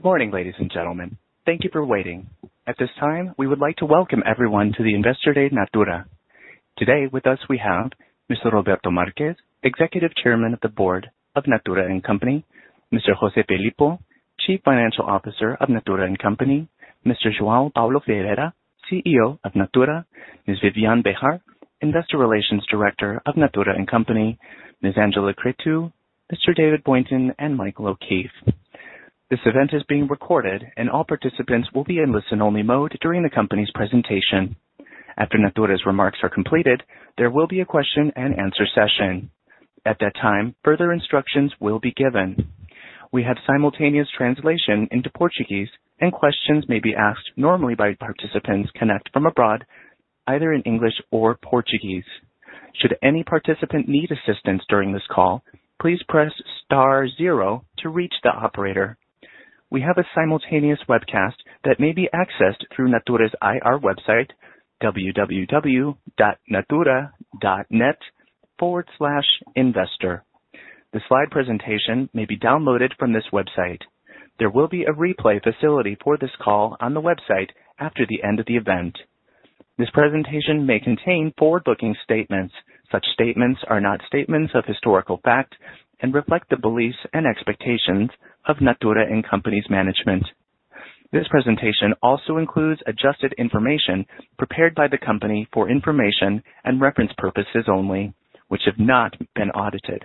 Good morning, ladies and gentlemen. Thank you for waiting. At this time, we would like to welcome everyone to the Investor Day Natura. Today with us we have Mr. Roberto Marques, Executive Chairman of the Board of Natura &Company, Mr. José Filippo, Chief Financial Officer of Natura &Co, Mr. João Paulo Ferreira, CEO of Natura, Ms. Viviane Behar, Investor Relations Director of Natura &Co, Ms. Angela Cretu, Mr. David Boynton, and Michael O'Keeffe. This event is being recorded, and all participants will be in listen-only mode during the company's presentation. After Natura's remarks are completed, there will be a question-and-answer session. At that time, further instructions will be given. We have simultaneous translation into Portuguese, and questions may be asked normally by participants connect from abroad, either in English or Portuguese. Should any participant need assistance during this call, please press star zero to reach the operator. We have a simultaneous webcast that may be accessed through Natura's IR website, www.natura.net/investor. The slide presentation may be downloaded from this website. There will be a replay facility for this call on the website after the end of the event. This presentation may contain forward-looking statements. Such statements are not statements of historical fact and reflect the beliefs and expectations of Natura &Co's management. This presentation also includes adjusted information prepared by the company for information and reference purposes only, which have not been audited.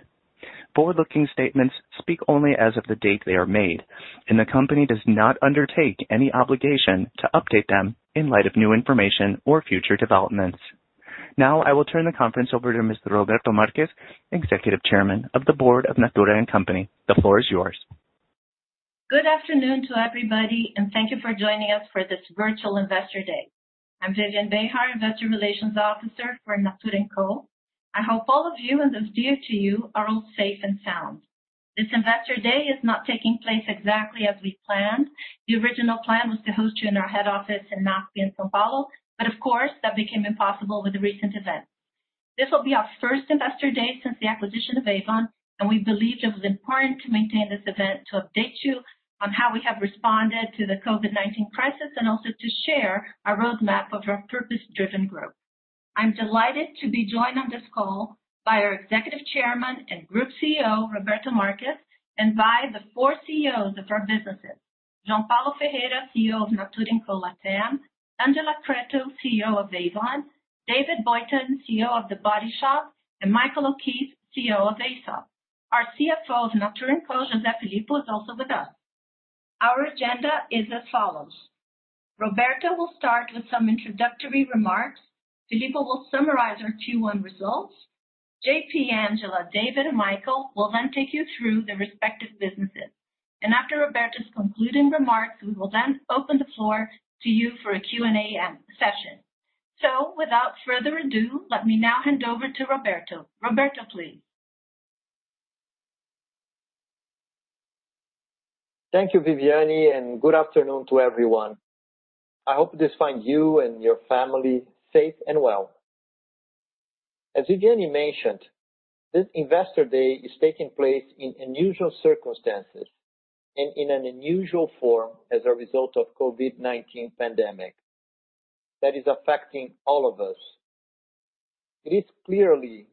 Forward-looking statements speak only as of the date they are made, and the company does not undertake any obligation to update them in light of new information or future developments. Now, I will turn the conference over to Mr. Roberto Marques, Executive Chairman of the Board of Natura &Co. The floor is yours. Good afternoon to everybody, and thank you for joining us for this virtual Investor Day. I'm Viviane Behar, Investor Relations Officer for Natura &Co. I hope all of you and those dear to you are all safe and sound. This Investor Day is not taking place exactly as we planned. The original plan was to host you in our head office in NASP in São Paulo, of course, that became impossible with the recent events. This will be our first Investor Day since the acquisition of Avon, we believed it was important to maintain this event to update you on how we have responded to the COVID-19 crisis, and also to share our roadmap of our purpose-driven group. I'm delighted to be joined on this call by our Executive Chairman and Group CEO, Roberto Marques, and by the four CEOs of our businesses, João Paulo Ferreira, CEO of Natura &Co LatAm, Angela Cretu, CEO of Avon, David Boynton, CEO of The Body Shop, and Michael O'Keeffe, CEO of Aesop. Our CFO of Natura &Co, José Filippo, is also with us. Our agenda is as follows: Roberto will start with some introductory remarks. Filippo will summarize our Q1 results. JP, Angela, David, and Michael will then take you through their respective businesses. After Roberto's concluding remarks, we will then open the floor to you for a Q&A session. Without further ado, let me now hand over to Roberto. Roberto, please. Thank you, Viviane. Good afternoon to everyone. I hope this finds you and your family safe and well. As Viviane mentioned, this Investor Day is taking place in unusual circumstances and in an unusual form as a result of COVID-19 pandemic that is affecting all of us. It is clearly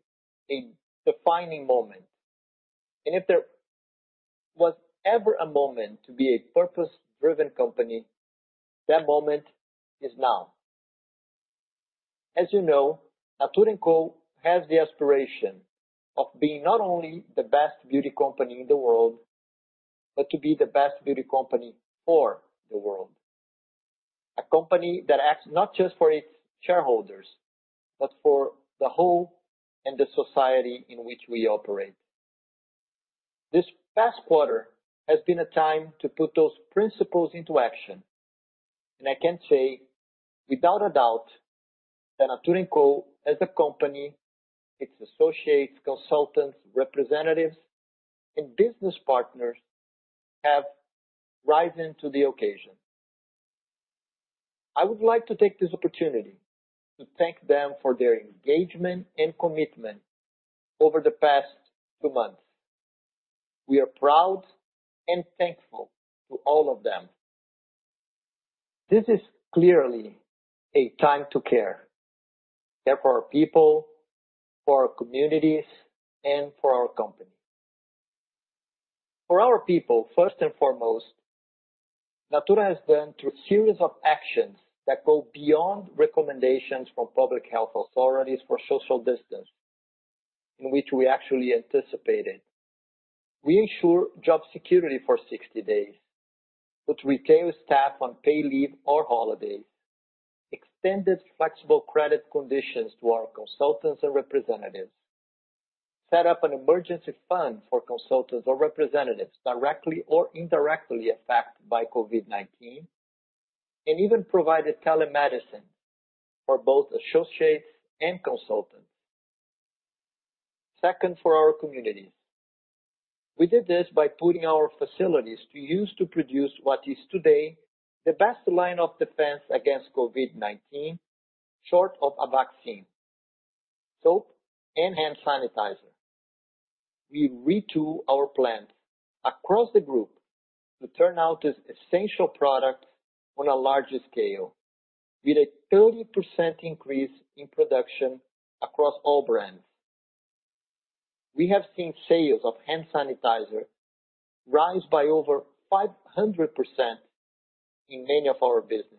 a defining moment. If there was ever a moment to be a purpose-driven company, that moment is now. As you know, Natura &Co has the aspiration of being not only the best beauty company in the world, but to be the best beauty company for the world. A company that acts not just for its shareholders, but for the whole and the society in which we operate. This past quarter has been a time to put those principles into action, and I can say without a doubt that Natura &Co as a company, its associates, consultants, representatives, and business partners have risen to the occasion. I would like to take this opportunity to thank them for their engagement and commitment over the past two months. We are proud and thankful to all of them. This is clearly a time to care. Care for our people, for our communities, and for our company. For our people, first and foremost, Natura has gone through a series of actions that go beyond recommendations from public health authorities for social distance, in which we actually anticipated. We ensure job security for 60 days, with retail staff on paid leave or holidays, extended flexible credit conditions to our consultants and representatives, set up an emergency fund for consultants or representatives directly or indirectly affected by COVID-19, and even provided telemedicine for both associates and consultants. Second, for our communities. We did this by putting our facilities to use to produce what is today the best line of defense against COVID-19, short of a vaccine. Soap and hand sanitizer. We retool our brand across the group to turn out these essential products on a larger scale, with a 30% increase in production across all brands. We have seen sales of hand sanitizer rise by over 500% in many of our businesses.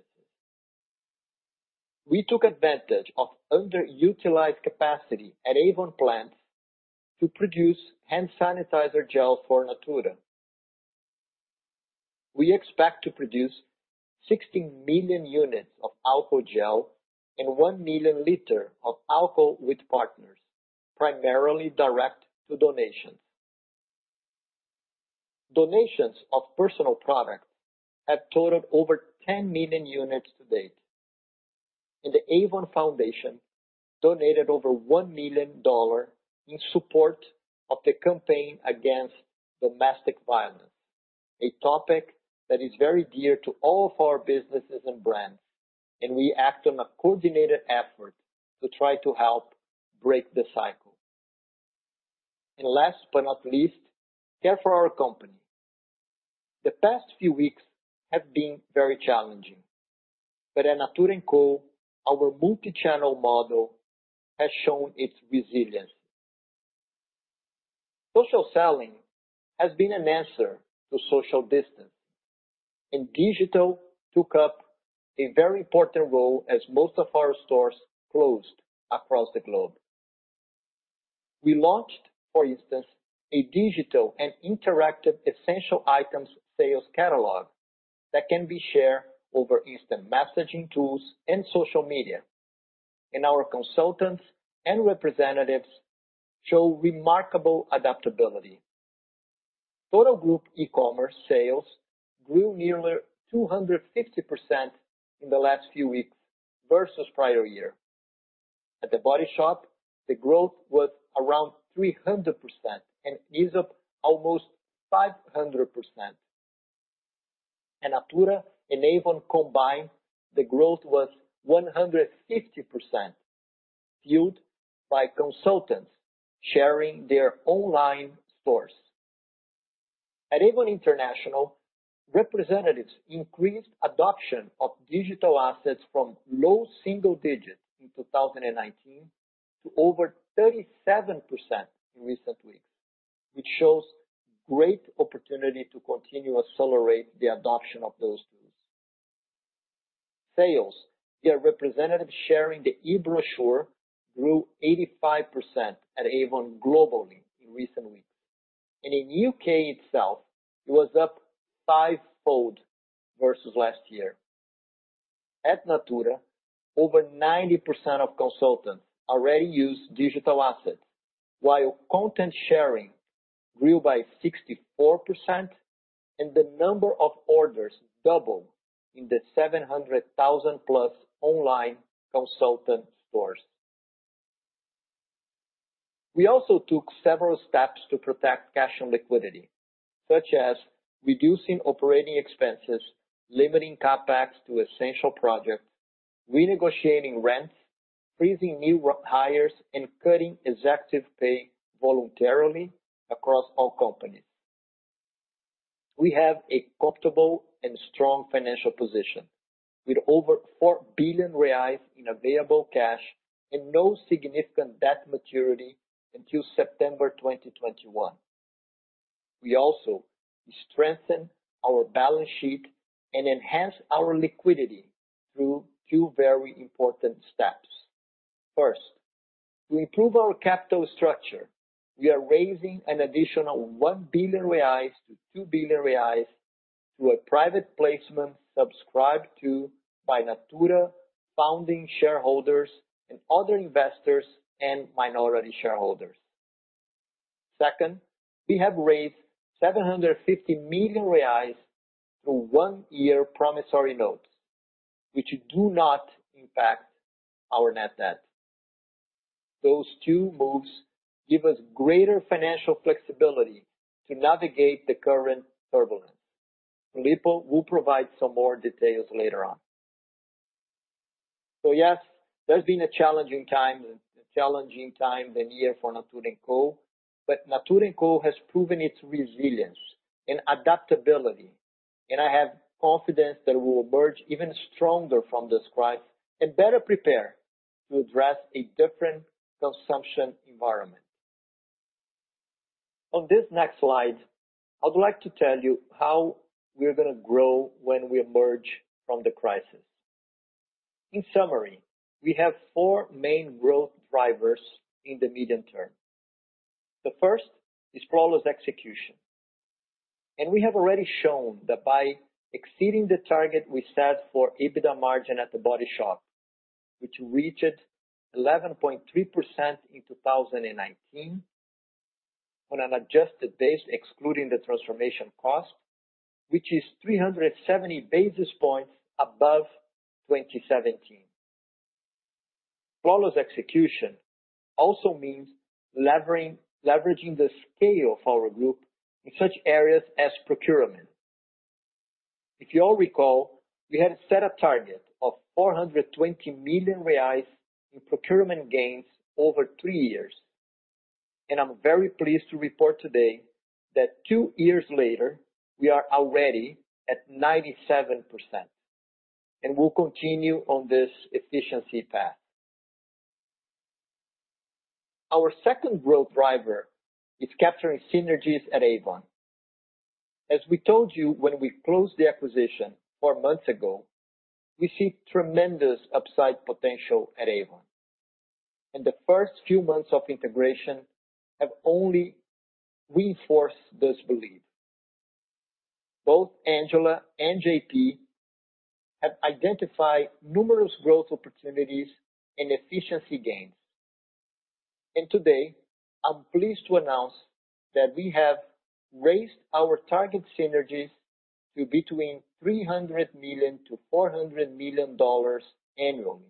We took advantage of underutilized capacity at Avon plants to produce hand sanitizer gel for Natura. We expect to produce 16 million units of alcohol gel and 1 million liters of alcohol with partners, primarily direct to donations. Donations of personal products have totaled over 10 million units to date. The Avon Foundation donated over $1 million in support of the campaign against domestic violence, a topic that is very dear to all of our businesses and brands. We act on a coordinated effort to try to help break the cycle. Last but not least, care for our company. The past few weeks have been very challenging, but at Natura &Co, our multi-channel model has shown its resilience. Social selling has been an answer to social distance. Digital took up a very important role as most of our stores closed across the globe. We launched, for instance, a digital and interactive essential items sales catalog that can be shared over instant messaging tools and social media. Our consultants and representatives show remarkable adaptability. Total group e-commerce sales grew nearly 250% in the last few weeks versus prior year. At The Body Shop, the growth was around 300%, and Aesop almost 500%. At Natura and Avon combined, the growth was 150%, fueled by consultants sharing their online stores. At Avon International, representatives increased adoption of digital assets from low single digits in 2019 to over 37% in recent weeks, which shows great opportunity to continue to accelerate the adoption of those tools. Sales via representatives sharing the e-brochure grew 85% at Avon globally in recent weeks. In U.K. itself, it was up fivefold versus last year. At Natura, over 90% of consultants already use digital assets, while content sharing grew by 64%, and the number of orders doubled in the 700,000+ online consultant stores. We also took several steps to protect cash and liquidity, such as reducing operating expenses, limiting CapEx to essential projects, renegotiating rents, freezing new hires, and cutting executive pay voluntarily across all companies. We have a comfortable and strong financial position, with over 4 billion reais in available cash and no significant debt maturity until September 2021. We also strengthened our balance sheet and enhanced our liquidity through two very important steps. First, to improve our capital structure, we are raising an additional 1 billion-2 billion reais through a private placement subscribed to by Natura founding shareholders and other investors and minority shareholders. Second, we have raised 750 million reais through one-year promissory notes, which do not impact our net debt. Those two moves give us greater financial flexibility to navigate the current turbulence. Filippo will provide some more details later on. Yes, there's been a challenging time and year for Natura &Co but Natura &Co has proven its resilience and adaptability, and I have confidence that we will emerge even stronger from this crisis and better prepared to address a different consumption environment. On this next slide, I would like to tell you how we're going to grow when we emerge from the crisis. In summary, we have four main growth drivers in the medium term. The first is flawless execution. We have already shown that by exceeding the target we set for EBITDA margin at The Body Shop, which reached 11.3% in 2019 on an adjusted base excluding the transformation cost, which is 370 basis points above 2017. Flawless execution also means leveraging the scale of our group in such areas as procurement. If you all recall, we had set a target of 420 million reais in procurement gains over three years. I'm very pleased to report today that two years later, we are already at 97%, and we'll continue on this efficiency path. Our second growth driver is capturing synergies at Avon. As we told you when we closed the acquisition four months ago, we see tremendous upside potential at Avon and the first few months of integration have only reinforced this belief. Both Angela and JP have identified numerous growth opportunities and efficiency gains. Today, I'm pleased to announce that we have raised our target synergies to between $300 million-$400 million annually,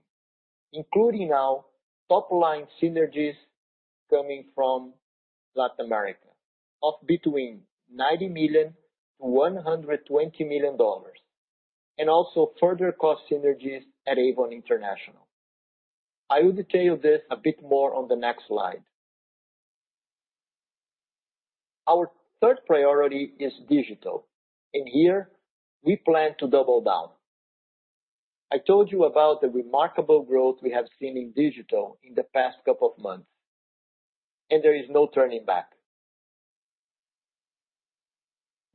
including now top-line synergies coming from Latin America of between $90 million-$120 million, and also further cost synergies at Avon International. I will detail this a bit more on the next slide. Our third priority is digital, and here we plan to double down. I told you about the remarkable growth we have seen in digital in the past couple of months, and there is no turning back.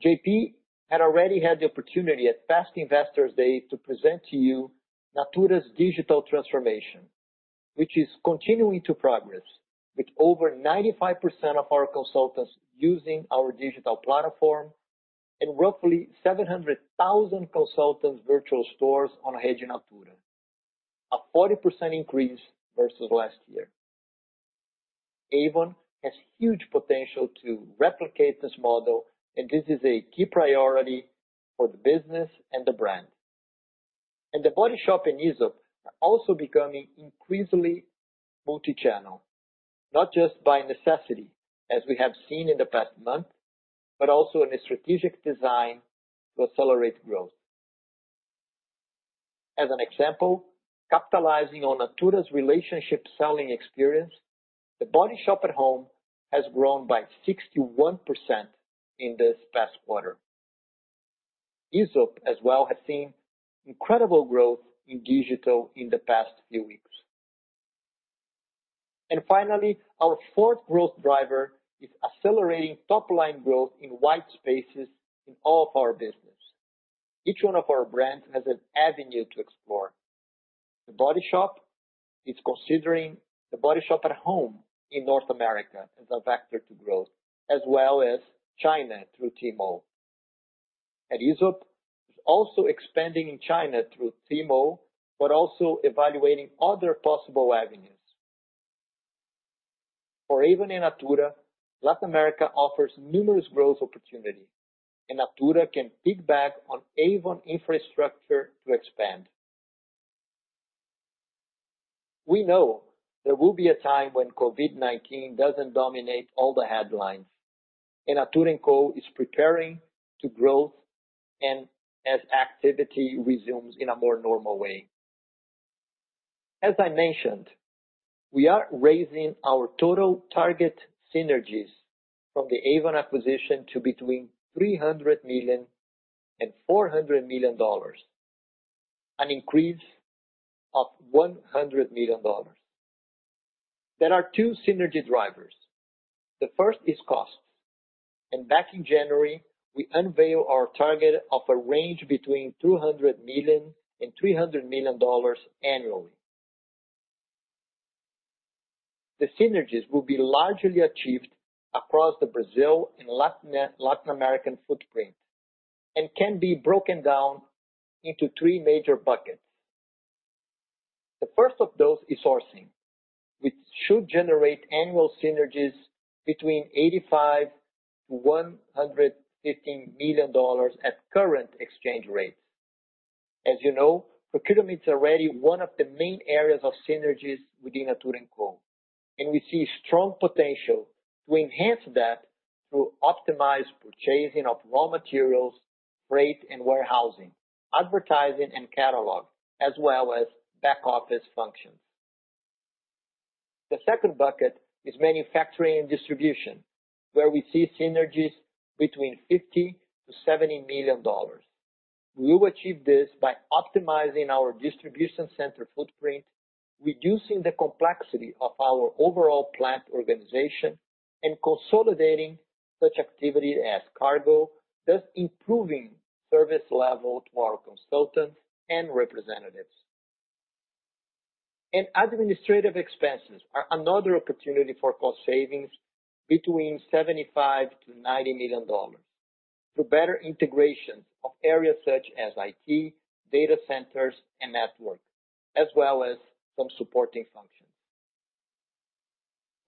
JP had already had the opportunity at past Investors Day to present to you Natura's digital transformation, which is continuing to progress, with over 95% of our consultants using our digital platform, and roughly 700,000 consultants' virtual stores on Rede Natura, a 40% increase versus last year. Avon has huge potential to replicate this model, and this is a key priority for the business and the brand. The Body Shop and Aesop are also becoming increasingly multi-channel, not just by necessity, as we have seen in the past month, but also in a strategic design to accelerate growth. As an example, capitalizing on Natura's relationship selling experience, The Body Shop at Home has grown by 61% in this past quarter. Aesop as well has seen incredible growth in digital in the past few weeks. Finally, our fourth growth driver is accelerating top-line growth in white spaces in all of our business. Each one of our brands has an avenue to explore. The Body Shop is considering The Body Shop at Home in North America as a vector to growth, as well as China through Tmall. Aesop is also expanding in China through Tmall, but also evaluating other possible avenues. For Avon and Natura, Latin America offers numerous growth opportunities, and Natura can piggyback on Avon infrastructure to expand. We know there will be a time when COVID-19 doesn't dominate all the headlines, and Natura &Co is preparing to growth and as activity resumes in a more normal way. As I mentioned, we are raising our total target synergies from the Avon acquisition to between $300 million and $400 million, an increase of $100 million. There are two synergy drivers. The first is cost, and back in January, we unveiled our target of a range between $200 million and $300 million annually. The synergies will be largely achieved across the Brazil and Latin American footprint and can be broken down into three major buckets. The first of those is sourcing, which should generate annual synergies between $85 million-$115 million at current exchange rates. As you know, procurement is already one of the main areas of synergies within Natura &Co, and we see strong potential to enhance that through optimized purchasing of raw materials, freight, and warehousing, advertising, and catalog, as well as back office functions. The second bucket is manufacturing and distribution, where we see synergies between $50 million-$70 million. We will achieve this by optimizing our distribution center footprint, reducing the complexity of our overall plant organization, and consolidating such activity as cargo, thus improving service level to our consultants and representatives. Administrative expenses are another opportunity for cost savings between $75 million-$90 million, through better integration of areas such as IT, data centers, and network, as well as some supporting functions.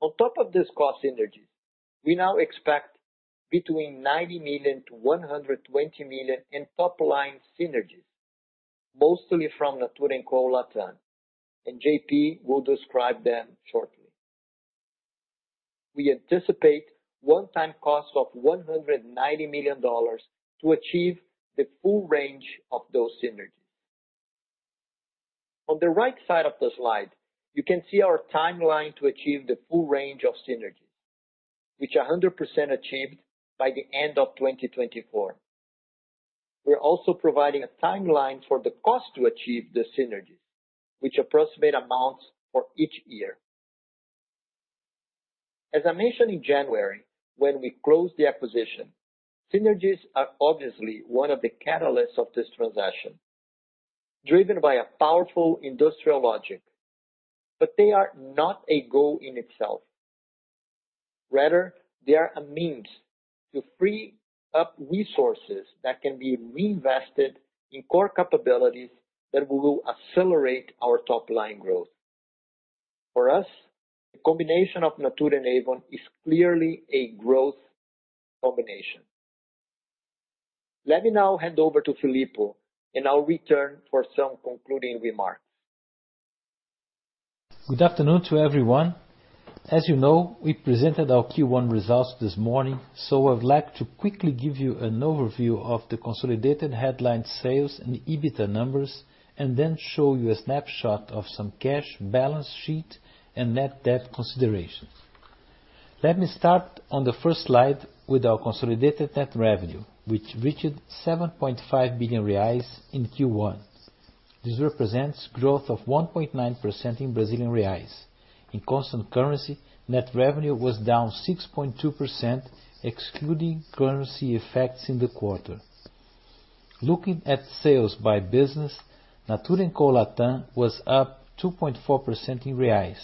On top of these cost synergies, we now expect between $90 million-$120 million in top-line synergies, mostly from Natura &Co LatAm, and JP will describe them shortly. We anticipate one-time costs of $190 million to achieve the full range of those synergies. On the right side of the slide, you can see our timeline to achieve the full range of synergies, which are 100% achieved by the end of 2024. We're also providing a timeline for the cost to achieve the synergies, which approximate amounts for each year. As I mentioned in January, when we closed the acquisition, synergies are obviously one of the catalysts of this transaction, driven by a powerful industrial logic, but they are not a goal in itself. Rather, they are a means to free up resources that can be reinvested in core capabilities that will accelerate our top-line growth. For us, the combination of Natura and Avon is clearly a growth combination. Let me now hand over to Filippo, and I'll return for some concluding remarks. Good afternoon to everyone. As you know, we presented our Q1 results this morning. I would like to quickly give you an overview of the consolidated headline sales and EBITDA numbers, and then show you a snapshot of some cash balance sheet and net debt considerations. Let me start on the first slide with our consolidated net revenue, which reached 7.5 billion reais in Q1. This represents growth of 1.9% in BRL. In constant currency, net revenue was down 6.2%, excluding currency effects in the quarter. Looking at sales by business, Natura &Co LatAm was up 2.4% in BRL,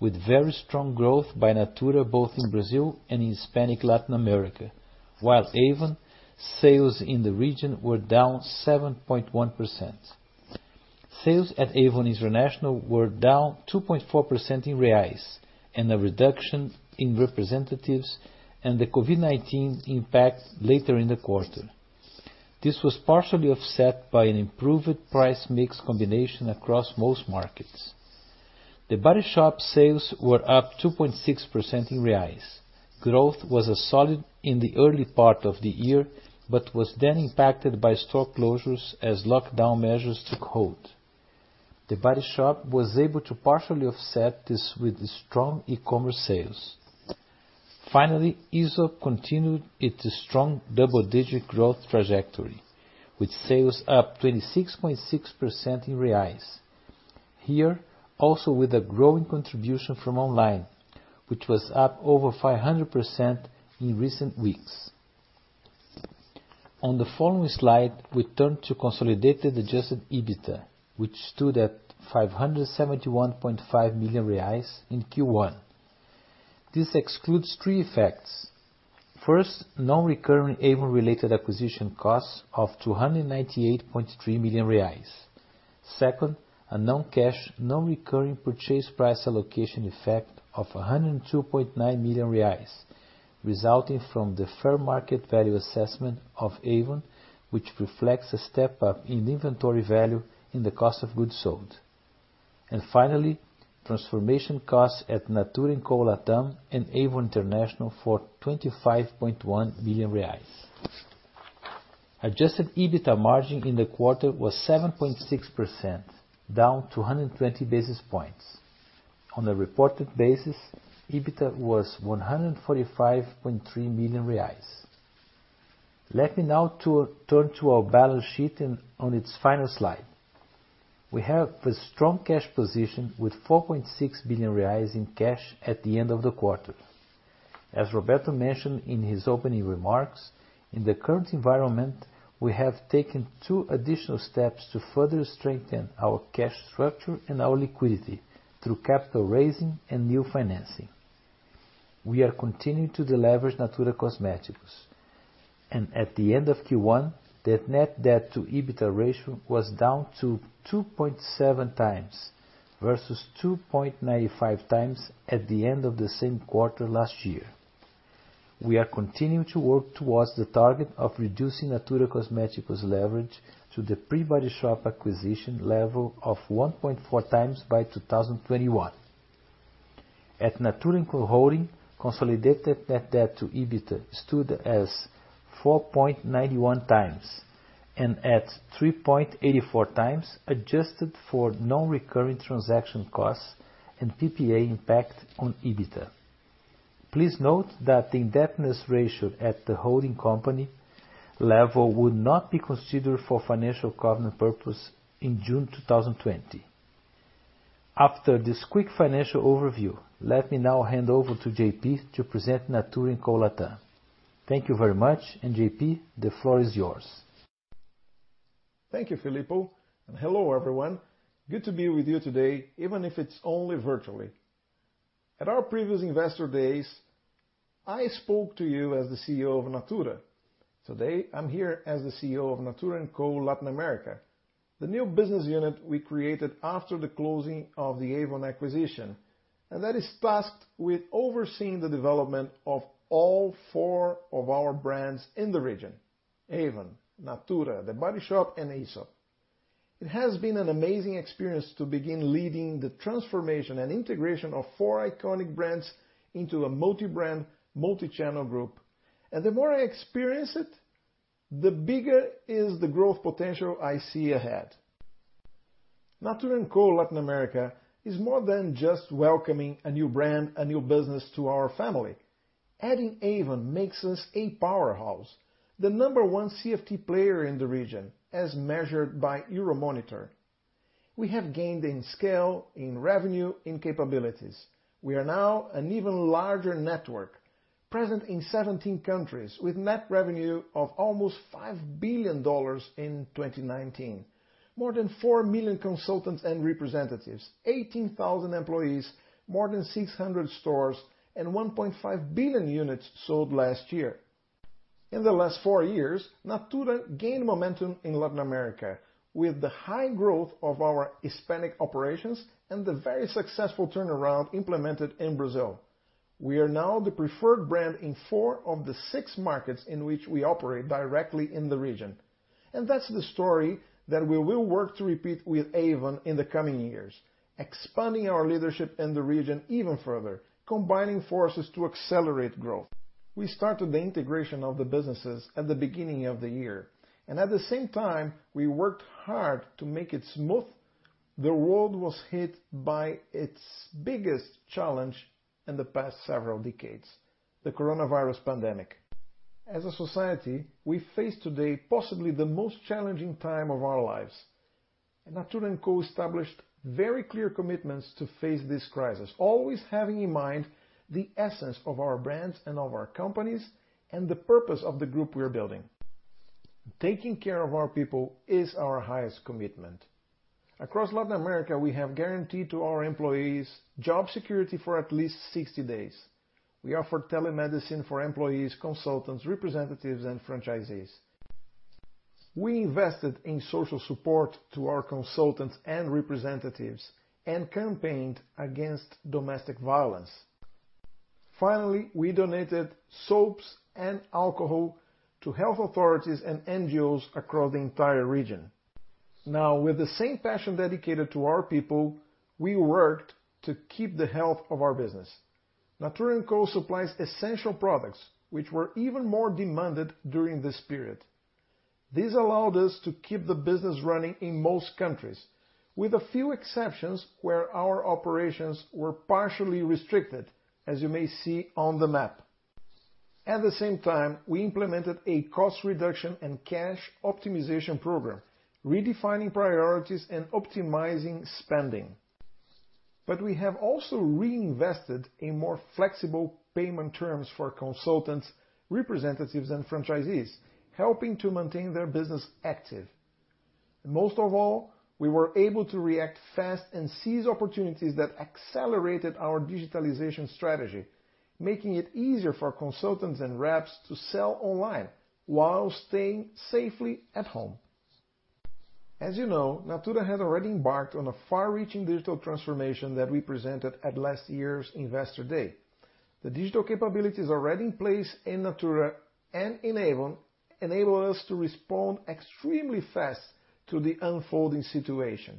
with very strong growth by Natura, both in Brazil and in Hispanic Latin America. While Avon, sales in the region were down 7.1%. Sales at Avon International were down 2.4% in Brazilian reals and a reduction in representatives and the COVID-19 impact later in the quarter. This was partially offset by an improved price mix combination across most markets. The Body Shop sales were up 2.6% in Brazilian reals. Growth was solid in the early part of the year, was then impacted by store closures as lockdown measures took hold. The Body Shop was able to partially offset this with strong e-commerce sales. Finally, Aesop continued its strong double-digit growth trajectory, with sales up 26.6% in Brazilian reals. Here, also with a growing contribution from online, which was up over 500% in recent weeks. On the following slide, we turn to consolidated adjusted EBITDA, which stood at 571.5 million reais in Q1. This excludes three effects. First, non-recurring Avon-related acquisition costs of 298.3 million reais. Second, a non-cash, non-recurring purchase price allocation effect of 102.9 millioN reais resulting from the fair market value assessment of Avon, which reflects a step up in inventory value in the cost of goods sold. Finally, transformation costs at Natura &Co LatAm and Avon International for 25.1 million reais. Adjusted EBITDA margin in the quarter was 7.6%, down 220 basis points. On a reported basis, EBITDA was 145.3 million reais. Let me now turn to our balance sheet on its final slide. We have a strong cash position with 4.6 billion reais in cash at the end of the quarter. As Roberto mentioned in his opening remarks, in the current environment, we have taken two additional steps to further strengthen our cash structure and our liquidity through capital raising and new financing. We are continuing to deleverage Natura Cosméticos, and at the end of Q1, the net debt to EBITDA ratio was down to 2.7x, versus 2.95x at the end of the same quarter last year. We are continuing to work towards the target of reducing Natura Cosméticos' leverage to the pre-The Body Shop acquisition level of 1.4x by 2021. At Natura &Co Holding, consolidated net debt to EBITDA stood as 4.91x and at 3.84x, adjusted for non-recurring transaction costs and PPA impact on EBITDA. Please note that the indebtedness ratio at the holding company level would not be considered for financial covenant purpose in June 2020. After this quick financial overview, let me now hand over to JP to present Natura &Co LatAm. Thank you very much. JP, the floor is yours. Thank you, Filippo, and hello, everyone. Good to be with you today, even if it's only virtually. At our previous Investor Days, I spoke to you as the CEO of Natura. Today, I'm here as the CEO of Natura &Co Latin America, the new business unit we created after the closing of the Avon acquisition, and that is tasked with overseeing the development of all four of our brands in the region, Avon, Natura, The Body Shop, and Aesop. It has been an amazing experience to begin leading the transformation and integration of four iconic brands into a multi-brand, multi-channel group. The more I experience it, the bigger is the growth potential I see ahead. Natura &Co Latin America is more than just welcoming a new brand, a new business to our family. Adding Avon makes us a powerhouse, the number one CFT player in the region, as measured by Euromonitor. We have gained in scale, in revenue, in capabilities. We are now an even larger network, present in 17 countries with net revenue of almost BRL 5 billion in 2019. More than 4 million consultants and representatives, 18,000 employees, more than 600 stores, and 1.5 billion units sold last year. In the last four years, Natura gained momentum in Latin America with the high growth of our Hispanic operations and the very successful turnaround implemented in Brazil. We are now the preferred brand in four of the six markets in which we operate directly in the region. That's the story that we will work to repeat with Avon in the coming years, expanding our leadership in the region even further, combining forces to accelerate growth. We started the integration of the businesses at the beginning of the year, and at the same time, we worked hard to make it smooth. The world was hit by its biggest challenge in the past several decades, the coronavirus pandemic. As a society, we face today possibly the most challenging time of our lives. Natura &Co established very clear commitments to face this crisis, always having in mind the essence of our brands and of our companies and the purpose of the group we're building. Taking care of our people is our highest commitment. Across Latin America, we have guaranteed to our employees job security for at least 60 days. We offered telemedicine for employees, consultants, representatives, and franchisees. We invested in social support to our consultants and representatives and campaigned against domestic violence. Finally, we donated soaps and alcohol to health authorities and NGOs across the entire region. Now, with the same passion dedicated to our people, we worked to keep the health of our business. Natura &Co supplies essential products, which were even more demanded during this period. This allowed us to keep the business running in most countries, with a few exceptions where our operations were partially restricted, as you may see on the map. At the same time, we implemented a cost reduction and cash optimization program, redefining priorities and optimizing spending. We have also reinvested in more flexible payment terms for consultants, representatives, and franchisees, helping to maintain their business active. Most of all, we were able to react fast and seize opportunities that accelerated our digitalization strategy, making it easier for consultants and reps to sell online while staying safely at home. As you know, Natura has already embarked on a far-reaching digital transformation that we presented at last year's Investor Day. The digital capabilities already in place in Natura and in Avon enable us to respond extremely fast to the unfolding situation.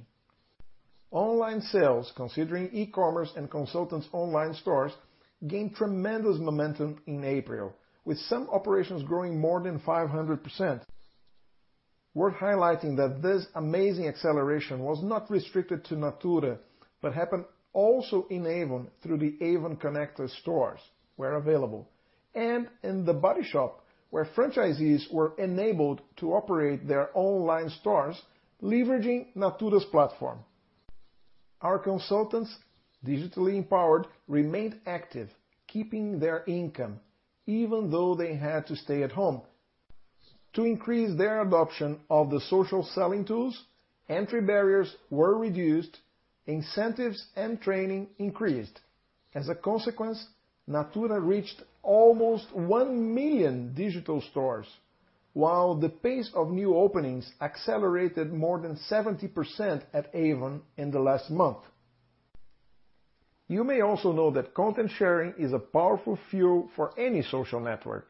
Online sales, considering e-commerce and consultants' online stores, gained tremendous momentum in April, with some operations growing more than 500%. Worth highlighting that this amazing acceleration was not restricted to Natura, but happened also in Avon through the Avon Connect stores, where available, and in The Body Shop, where franchisees were enabled to operate their online stores leveraging Natura's platform. Our consultants, digitally empowered, remained active, keeping their income, even though they had to stay at home. To increase their adoption of the social selling tools, entry barriers were reduced, incentives and training increased. As a consequence, Natura reached almost 1 million digital stores, while the pace of new openings accelerated more than 70% at Avon in the last month. You may also know that content sharing is a powerful fuel for any social network,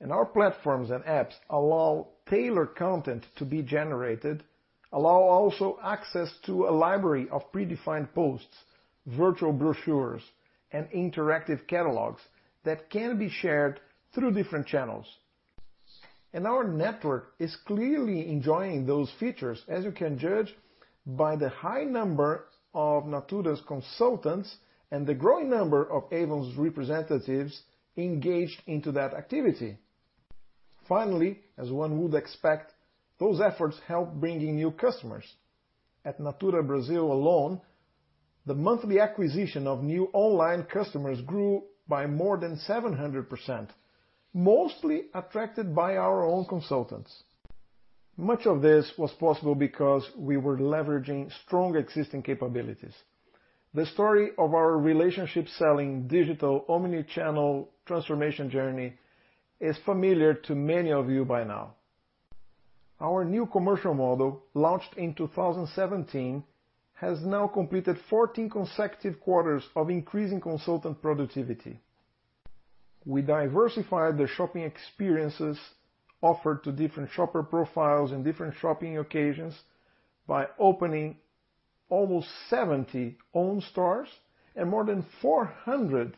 and our platforms and apps allow tailored content to be generated, allow also access to a library of predefined posts, virtual brochures, and interactive catalogs that can be shared through different channels. Our network is clearly enjoying those features, as you can judge by the high number of Natura's consultants and the growing number of Avon's representatives engaged into that activity. Finally, as one would expect, those efforts help bringing new customers. At Natura Brazil alone, the monthly acquisition of new online customers grew by more than 700%, mostly attracted by our own consultants. Much of this was possible because we were leveraging strong existing capabilities. The story of our relationship selling digital omni-channel transformation journey is familiar to many of you by now. Our new commercial model, launched in 2017, has now completed 14 consecutive quarters of increasing consultant productivity. We diversified the shopping experiences offered to different shopper profiles in different shopping occasions by opening almost 70 own stores and more than 400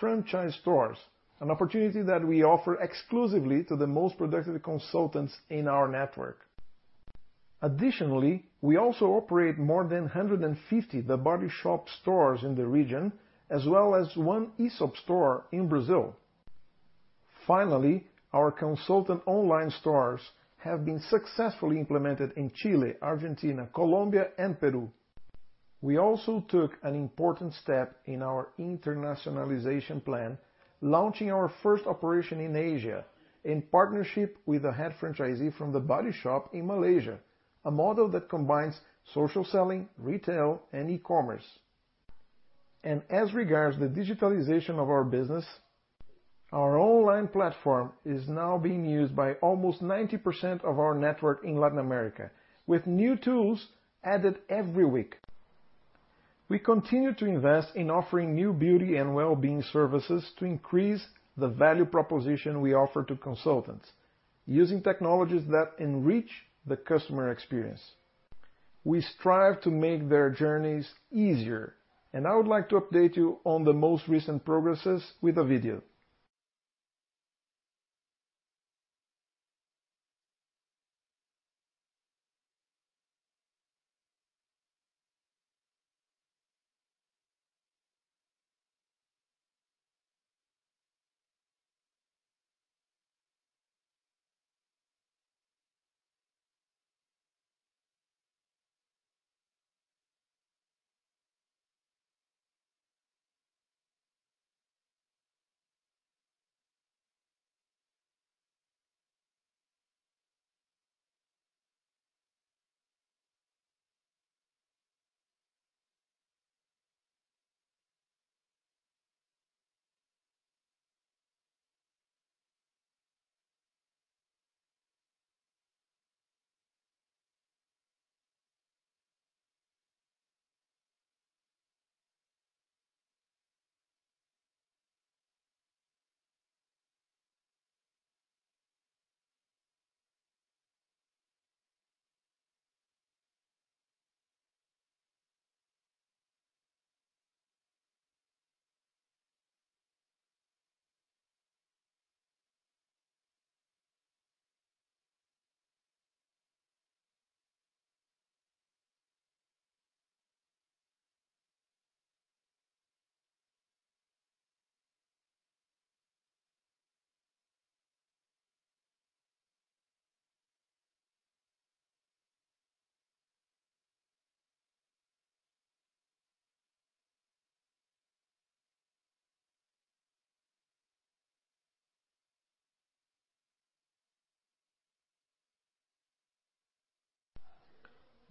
franchise stores, an opportunity that we offer exclusively to the most productive consultants in our network. Additionally, we also operate more than 150 The Body Shop stores in the region, as well as one Aesop store in Brazil. Finally, our consultant online stores have been successfully implemented in Chile, Argentina, Colombia, and Peru. We also took an important step in our internationalization plan, launching our first operation in Asia in partnership with the head franchisee from The Body Shop in Malaysia, a model that combines social selling, retail, and e-commerce. As regards the digitalization of our business, our online platform is now being used by almost 90% of our network in Latin America, with new tools added every week. We continue to invest in offering new beauty and wellbeing services to increase the value proposition we offer to consultants using technologies that enrich the customer experience. We strive to make their journeys easier, and I would like to update you on the most recent progresses with a video.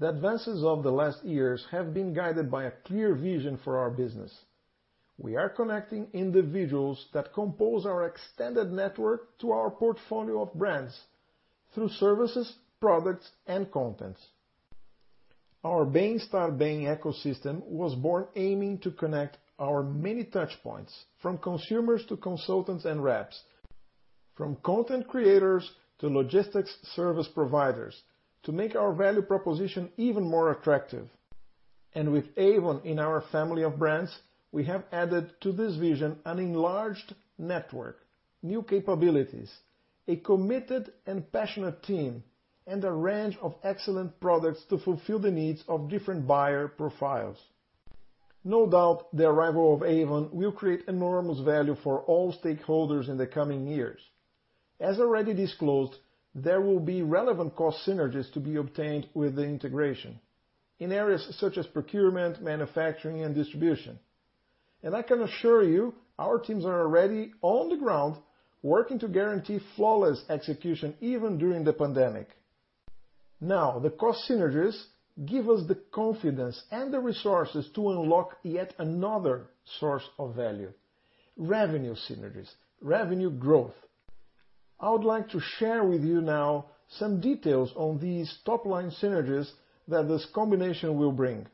The advances of the last years have been guided by a clear vision for our business. We are connecting individuals that compose our extended network to our portfolio of brands through services, products, and content. Our Bem Estar Bem ecosystem was born aiming to connect our many touchpoints, from consumers to consultants and reps, from content creators to logistics service providers to make our value proposition even more attractive. With Avon in our family of brands, we have added to this vision an enlarged network, new capabilities, a committed and passionate team, and a range of excellent products to fulfill the needs of different buyer profiles. No doubt, the arrival of Avon will create enormous value for all stakeholders in the coming years. As I already disclosed, there will be relevant core synergies to be obtained with intergration in areas such as procurement, manufacturing and distribution. I Can assure you, our teams are already on the ground working to guarantee flawless execution, even during the pandemic. Now the cost synergies give us the confidence and the resources to unlock yet another source of value, revenue synergies, revenue growth. I would like to share with you now some details on these top-line synergies that this combination will bring.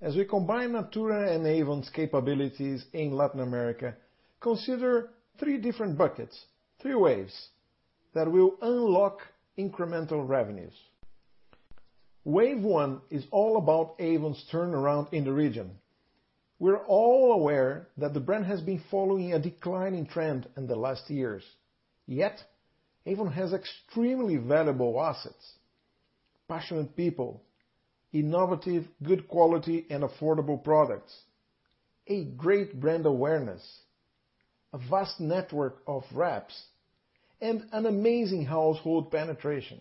As we combine Natura and Avon's capabilities in Latin America, consider three different buckets, three waves that will unlock incremental revenues. Wave 1 is all about Avon's turnaround in the region. We're all aware that the brand has been following a declining trend in the last years yet Avon has extremely valuable assets, passionate people, innovative, good quality, and affordable products, a great brand awareness, a vast network of reps, and an amazing household penetration.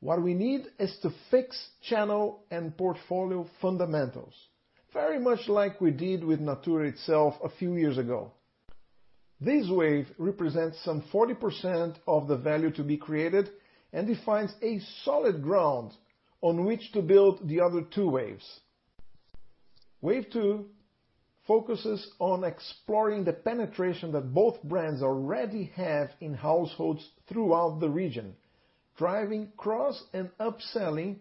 What we need is to fix channel and portfolio fundamentals, very much like we did with Natura itself a few years ago. This wave represents some 40% of the value to be created and defines a solid ground on which to build the other two waves. Wave 2 focuses on exploring the penetration that both brands already have in households throughout the region. Driving cross and up-selling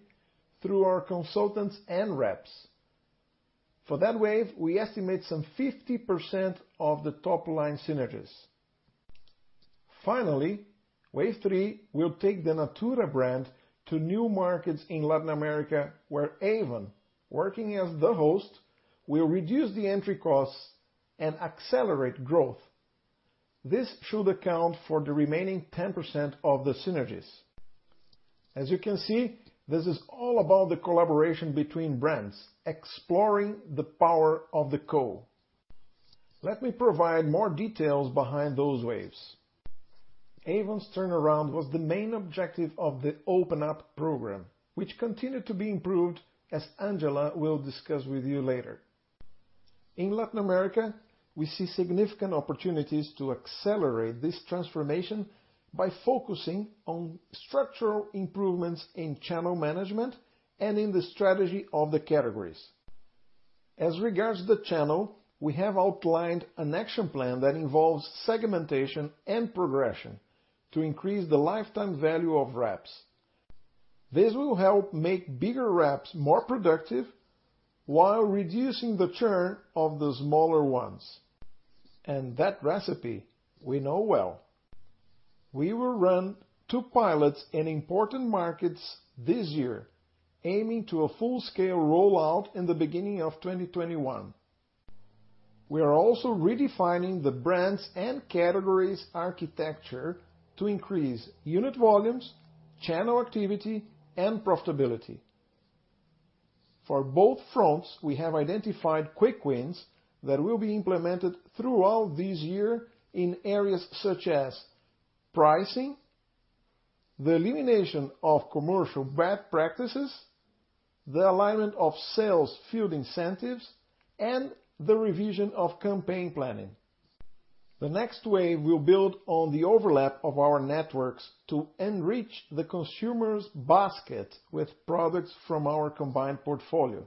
through our consultants and reps. Finally, for that wave, we estimate some 50% of the top-line synergies. Finally, Wave 3 will take the Natura brand to new markets in Latin America, where Avon, working as the host, will reduce the entry costs and accelerate growth. This should account for the remaining 10% of the synergies. As you can see, this is all about the collaboration between brands, exploring the power of the co. Let me provide more details behind those waves. Avon's turnaround was the main objective of the Open Up program, which continued to be improved, as Angela will discuss with you later. In Latin America, we see significant opportunities to accelerate this transformation by focusing on structural improvements in channel management and in the strategy of the categories. As regards the channel, we have outlined an action plan that involves segmentation and progression to increase the lifetime value of reps. This will help make bigger reps more productive while reducing the churn of the smaller ones andtThat recipe we know well. We will run two pilots in important markets this year, aiming to a full-scale rollout in the beginning of 2021. We are also redefining the brands' and categories' architecture to increase unit volumes, channel activity, and profitability. For both fronts, we have identified quick wins that will be implemented throughout this year in areas such as pricing, the elimination of commercial bad practices, the alignment of sales field incentives, and the revision of campaign planning. The next wave will build on the overlap of our networks to enrich the consumer's basket with products from our combined portfolio.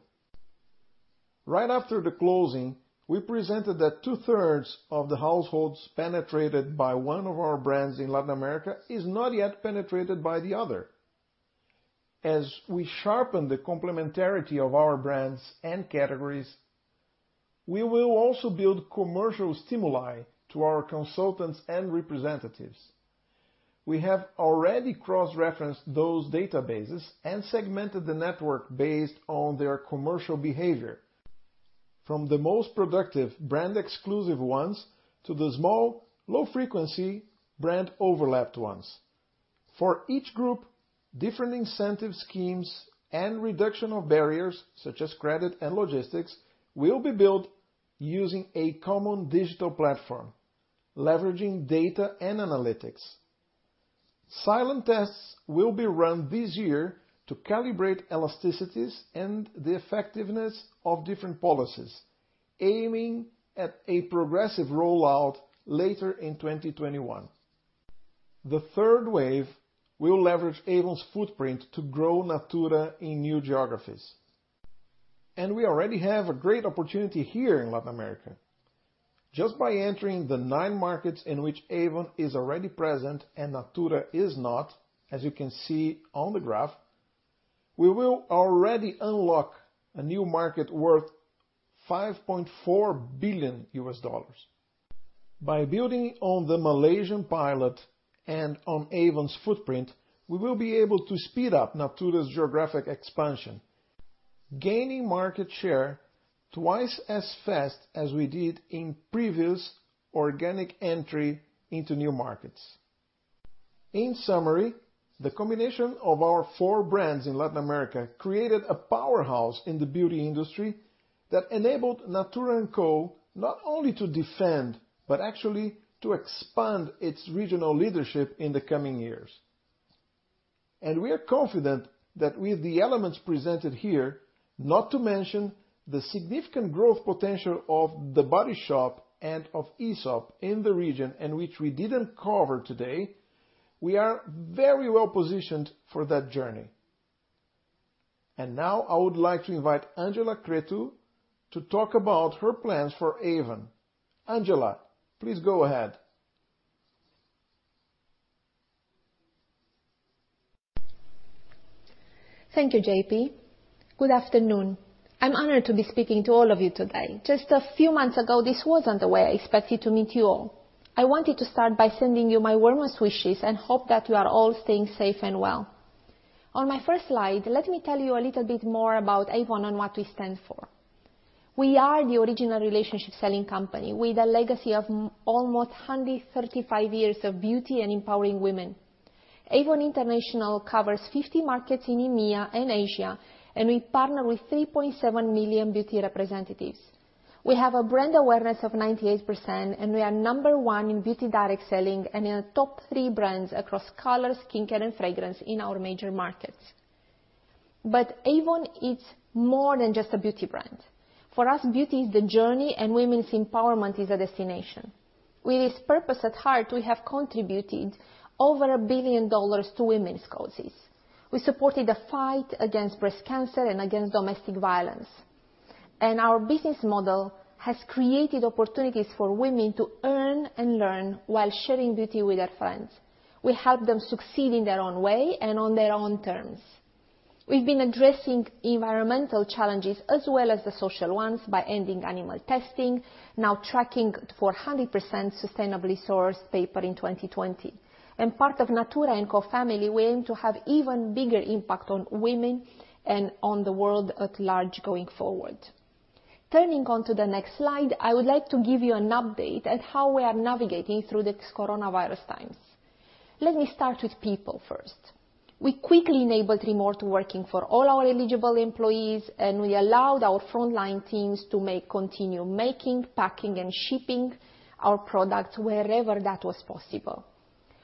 Right after the closing, we presented that 2/3 of the households penetrated by one of our brands in Latin America is not yet penetrated by the other. As we sharpen the complementarity of our brands and categories, we will also build commercial stimuli to our consultants and representatives. We have already cross-referenced those databases and segmented the network based on their commercial behavior, from the most productive brand-exclusive ones to the small, low-frequency brand-overlapped ones. For each group, different incentive schemes and reduction of barriers, such as credit and logistics, will be built using a common digital platform, leveraging data and analytics. Silent tests will be run this year to calibrate elasticities and the effectiveness of different policies, aiming at a progressive rollout later in 2021. The third wave will leverage Avon's footprint to grow Natura in new geographies, and we already have a great opportunity here in Latin America. Just by entering the nine markets in which Avon is already present and Natura is not, as you can see on the graph, we will already unlock a new market worth $5.4 billion. By building on the Malaysian pilot and on Avon's footprint, we will be able to speed up Natura's geographic expansion, gaining market share twice as fast as we did in previous organic entry into new markets. In summary, the combination of our four brands in Latin America created a powerhouse in the beauty industry that enabled Natura &Co not only to defend, but actually to expand its regional leadership in the coming years. We are confident that with the elements presented here, not to mention the significant growth potential of The Body Shop and of Aesop in the region in which we didn't cover today, we are very well-positioned for that journey. Now I would like to invite Angela Cretu to talk about her plans for Avon. Angela, please go ahead. Thank you, JP. Good afternoon. I'm honored to be speaking to all of you today. Just a few months ago, this wasn't the way I expected to meet you all. I wanted to start by sending you my warmest wishes and hope that you are all staying safe and well. On my first slide, let me tell you a little bit more about Avon and what we stand for. We are the original relationship-selling company with a legacy of almost 135 years of beauty and empowering women. Avon International covers 50 markets in EMEA and Asia, and we partner with 3.7 million beauty representatives. We have a brand awareness of 98%, and we are number one in beauty direct selling and in the top three brands across color, skincare, and fragrance in our major markets. Avon, it's more than just a beauty brand. For us, beauty is the journey and women's empowerment is a destination. With this purpose at heart, we have contributed over $1 billion to women's causes. We supported the fight against breast cancer and against domestic violence. Our business model has created opportunities for women to earn and learn while sharing beauty with their friends. We help them succeed in their own way and on their own terms. We've been addressing environmental challenges as well as the social ones by ending animal testing, now tracking for 100% sustainably sourced paper in 2020. Part of Natura &Co family, we aim to have even bigger impact on women and on the world at large going forward. Turning onto the next slide, I would like to give you an update at how we are navigating through this coronavirus times. Let me start with people first. We quickly enabled remote working for all our eligible employees. We allowed our frontline teams to continue making, packing, and shipping our products wherever that was possible.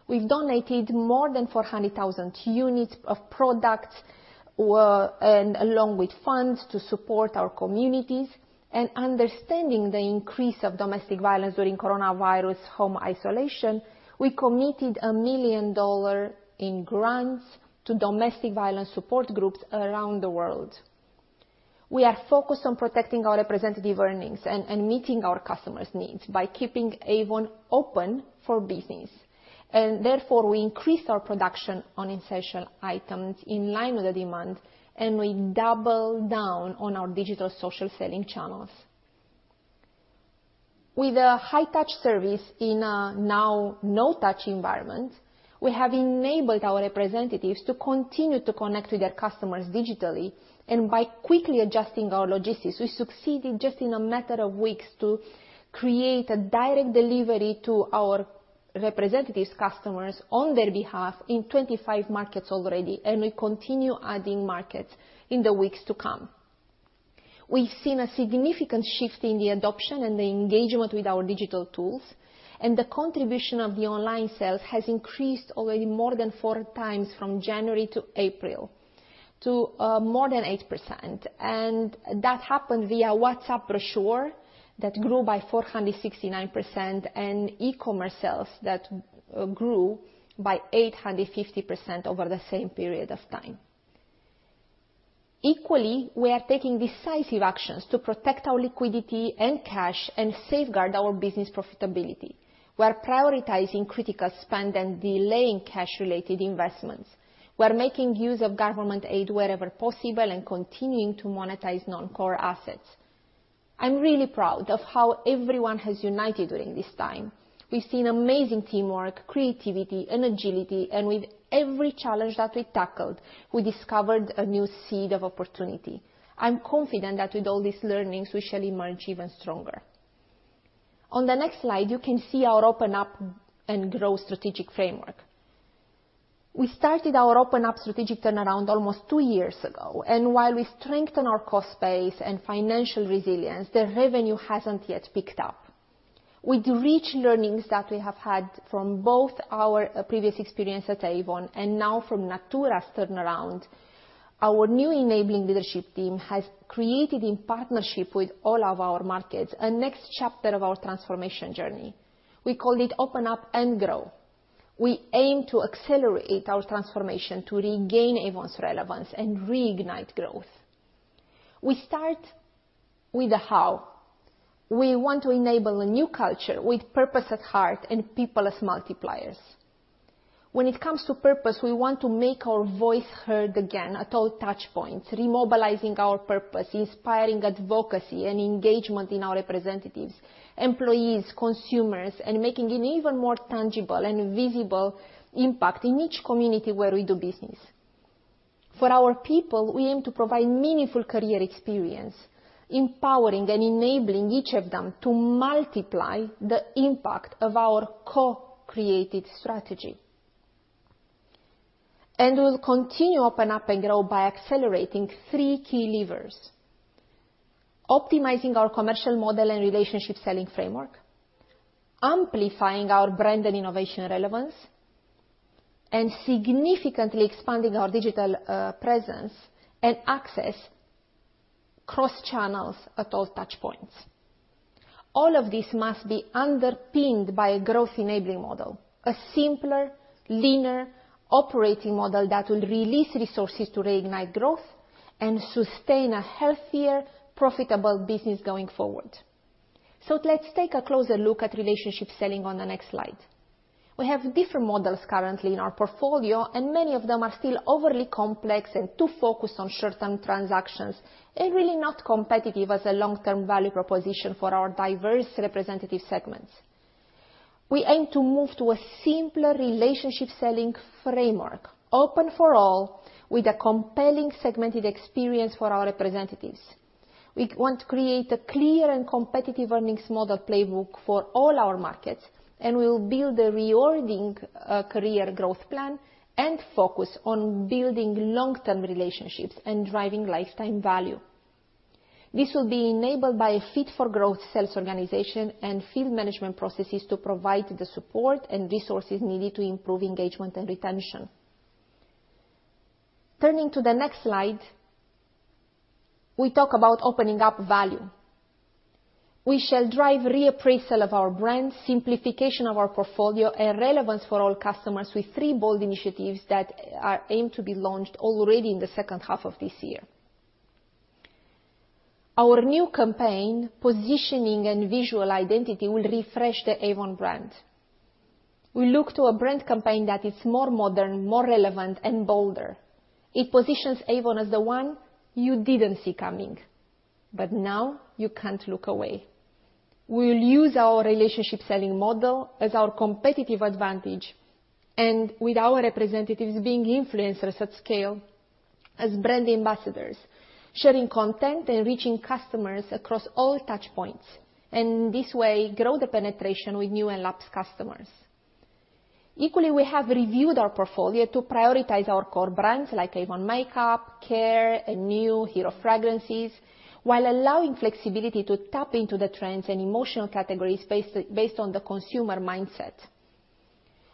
We've donated more than 400,000 units of products, and along with funds to support our communities, and understanding the increase of domestic violence during coronavirus home isolation, we committed $1 million in grants to domestic violence support groups around the world. We are focused on protecting our representative earnings and meeting our customers' needs by keeping Avon open for business. Therefore, we increased our production on essential items in line with the demand, and we doubled down on our digital social selling channels. With a high-touch service in a now no-touch environment, we have enabled our representatives to continue to connect with their customers digitally. By quickly adjusting our logistics, we succeeded just in a matter of weeks to create a direct delivery to our representatives' customers on their behalf in 25 markets already, and we continue adding markets in the weeks to come. We've seen a significant shift in the adoption and the engagement with our digital tools. The contribution of the online sales has increased already more than four times from January to April to more than 8% and that happened via WhatsApp brochure that grew by 469% and e-commerce sales that grew by 850% over the same period of time. Equally, we are taking decisive actions to protect our liquidity and cash and safeguard our business profitability. We are prioritizing critical spend and delaying cash-related investments. We are making use of government aid wherever possible and continuing to monetize non-core assets. I'm really proud of how everyone has united during this time. We've seen amazing teamwork, creativity, and agility. With every challenge that we tackled, we discovered a new seed of opportunity. I'm confident that with all these learnings, we shall emerge even stronger. On the next slide, you can see our Open Up & Grow strategic framework. We started our Open Up strategic turnaround almost two years ago. While we strengthen our cost base and financial resilience, the revenue hasn't yet picked up. With rich learnings that we have had from both our previous experience at Avon and now from Natura's turnaround, our new enabling leadership team has created, in partnership with all of our markets, a next chapter of our transformation journey. We called it Open Up & Grow. We aim to accelerate our transformation to regain Avon's relevance and reignite growth. We start with the how. We want to enable a new culture with purpose at heart and people as multipliers. When it comes to purpose, we want to make our voice heard again at all touchpoints, remobilizing our purpose, inspiring advocacy and engagement in our representatives, employees, consumers, and making an even more tangible and visible impact in each community where we do business. For our people, we aim to provide meaningful career experience, empowering and enabling each of them to multiply the impact of our co-created strategy. We'll continue Open Up & Grow by accelerating three key levers: optimizing our commercial model and relationship selling framework, amplifying our brand and innovation relevance, and significantly expanding our digital presence and access cross-channels at all touchpoints. All of this must be underpinned by a growth-enabling model, a simpler, leaner operating model that will release resources to reignite growth and sustain a healthier, profitable business going forward. Let's take a closer look at relationship selling on the next slide. We have different models currently in our portfolio, and many of them are still overly complex and too focused on short-term transactions and really not competitive as a long-term value proposition for our diverse representative segments. We aim to move to a simpler relationship-selling framework, open for all, with a compelling segmented experience for our representatives. We want to create a clear and competitive earnings model playbook for all our markets, and we will build a rewarding career growth plan and focus on building long-term relationships and driving lifetime value. This will be enabled by a fit-for-growth sales organization and field management processes to provide the support and resources needed to improve engagement and retention. Turning to the next slide, we talk about opening up value. We shall drive reappraisal of our brand, simplification of our portfolio, and relevance for all customers with three bold initiatives that are aimed to be launched already in the second half of this year. Our new campaign positioning and visual identity will refresh the Avon brand. We look to a brand campaign that is more modern, more relevant, and bolder. It positions Avon as the one you didn't see coming, but now you can't look away. We'll use our relationship selling model as our competitive advantage, and with our representatives being influencers at scale, as brand ambassadors, sharing content and reaching customers across all touch points, and in this way, grow the penetration with new and lapsed customers. Equally, we have reviewed our portfolio to prioritize our core brands like Avon Makeup, Care, and New Hero Fragrances, while allowing flexibility to tap into the trends and emotional categories based on the consumer mindset.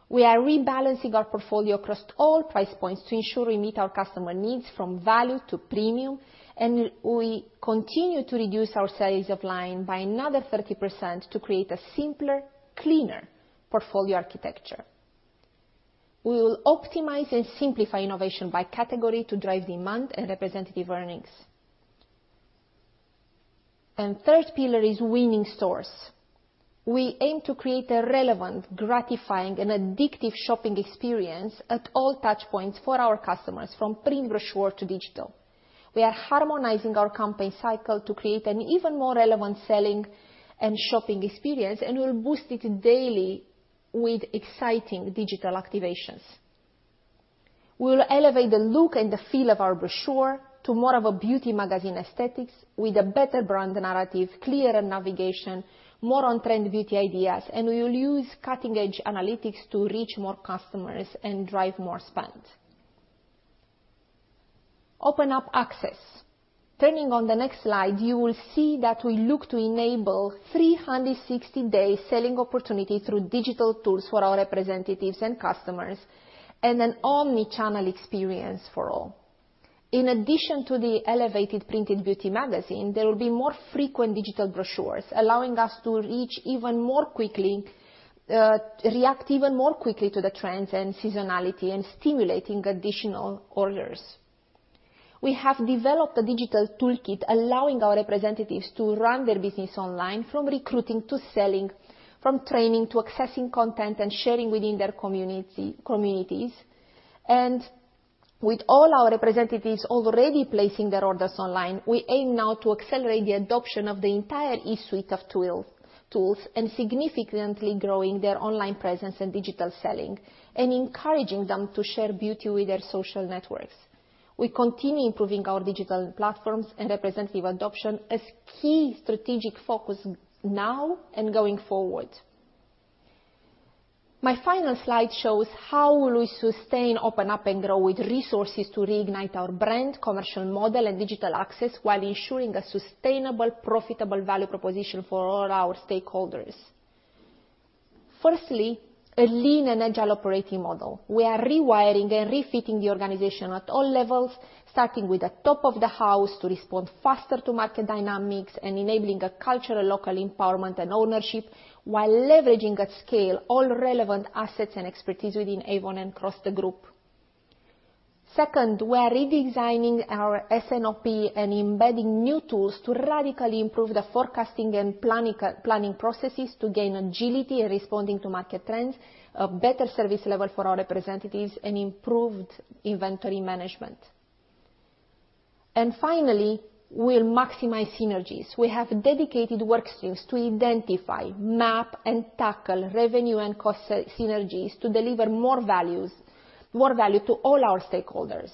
We are rebalancing our portfolio across all price points to ensure we meet our customer needs from value to premium, and we continue to reduce our sales of line by another 30% to create a simpler, cleaner portfolio architecture. We will optimize and simplify innovation by category to drive demand and representative earnings. Third pillar is winning stores. We aim to create a relevant, gratifying, and addictive shopping experience at all touch points for our customers, from print brochure to digital. We are harmonizing our campaign cycle to create an even more relevant selling and shopping experience, and we'll boost it daily with exciting digital activations. We'll elevate the look and the feel of our brochure to more of a beauty magazine aesthetics with a better brand narrative, clearer navigation, more on-trend beauty ideas. We will use cutting-edge analytics to reach more customers and drive more spend. Open up access. Turning on the next slide, you will see that we look to enable 360-day selling opportunity through digital tools for our representatives and customers, and an omni-channel experience for all. In addition to the elevated printed beauty magazine, there will be more frequent digital brochures, allowing us to react even more quickly to the trends and seasonality and stimulating additional orders. We have developed a digital toolkit allowing our representatives to run their business online, from recruiting to selling, from training to accessing content and sharing within their communities. With all our representatives already placing their orders online, we aim now to accelerate the adoption of the entire e-suite of tools and significantly growing their online presence and digital selling and encouraging them to share beauty with their social networks. We continue improving our digital platforms and representative adoption as key strategic focus now and going forward. My final slide shows how will we sustain, Open Up & Grow with resources to reignite our brand, commercial model, and digital access while ensuring a sustainable, profitable value proposition for all our stakeholders. Firstly, a lean and agile operating model. We are rewiring and refitting the organization at all levels, starting with the top of the house to respond faster to market dynamics and enabling a cultural local empowerment and ownership while leveraging at scale all relevant assets and expertise within Avon and across the group. Second, we are redesigning our S&OP and embedding new tools to radically improve the forecasting and planning processes to gain agility in responding to market trends, a better service level for our representatives, and improved inventory management. Finally, we'll maximize synergies. We have dedicated work streams to identify, map, and tackle revenue and cost synergies to deliver more value to all our stakeholders.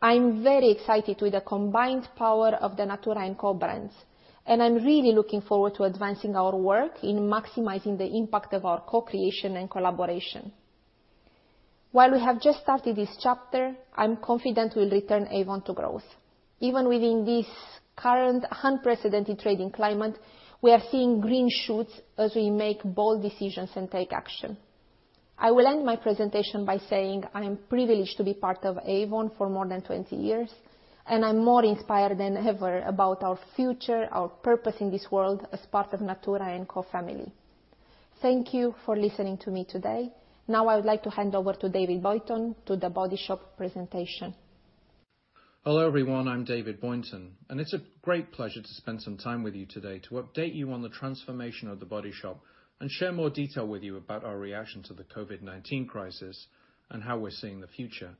I'm very excited with the combined power of the Natura &Co brands, and I'm really looking forward to advancing our work in maximizing the impact of our co-creation and collaboration. While we have just started this chapter, I'm confident we'll return Avon to growth. Even within this current unprecedented trading climate, we are seeing green shoots as we make bold decisions and take action. I will end my presentation by saying I am privileged to be part of Avon for more than 20 years, and I'm more inspired than ever about our future, our purpose in this world as part of Natura &Co family. Thank you for listening to me today. Now I would like to hand over to David Boynton to The Body Shop presentation. Hello, everyone. I'm David Boynton, and it's a great pleasure to spend some time with you today to update you on the transformation of The Body Shop and share more detail with you about our reaction to the COVID-19 crisis and how we're seeing the future.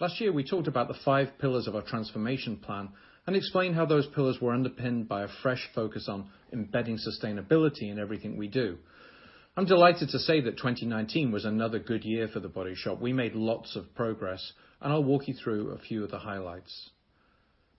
Last year, we talked about the five pillars of our transformation plan and explained how those pillars were underpinned by a fresh focus on embedding sustainability in everything we do. I'm delighted to say that 2019 was another good year for The Body Shop. We made lots of progress, and I'll walk you through a few of the highlights.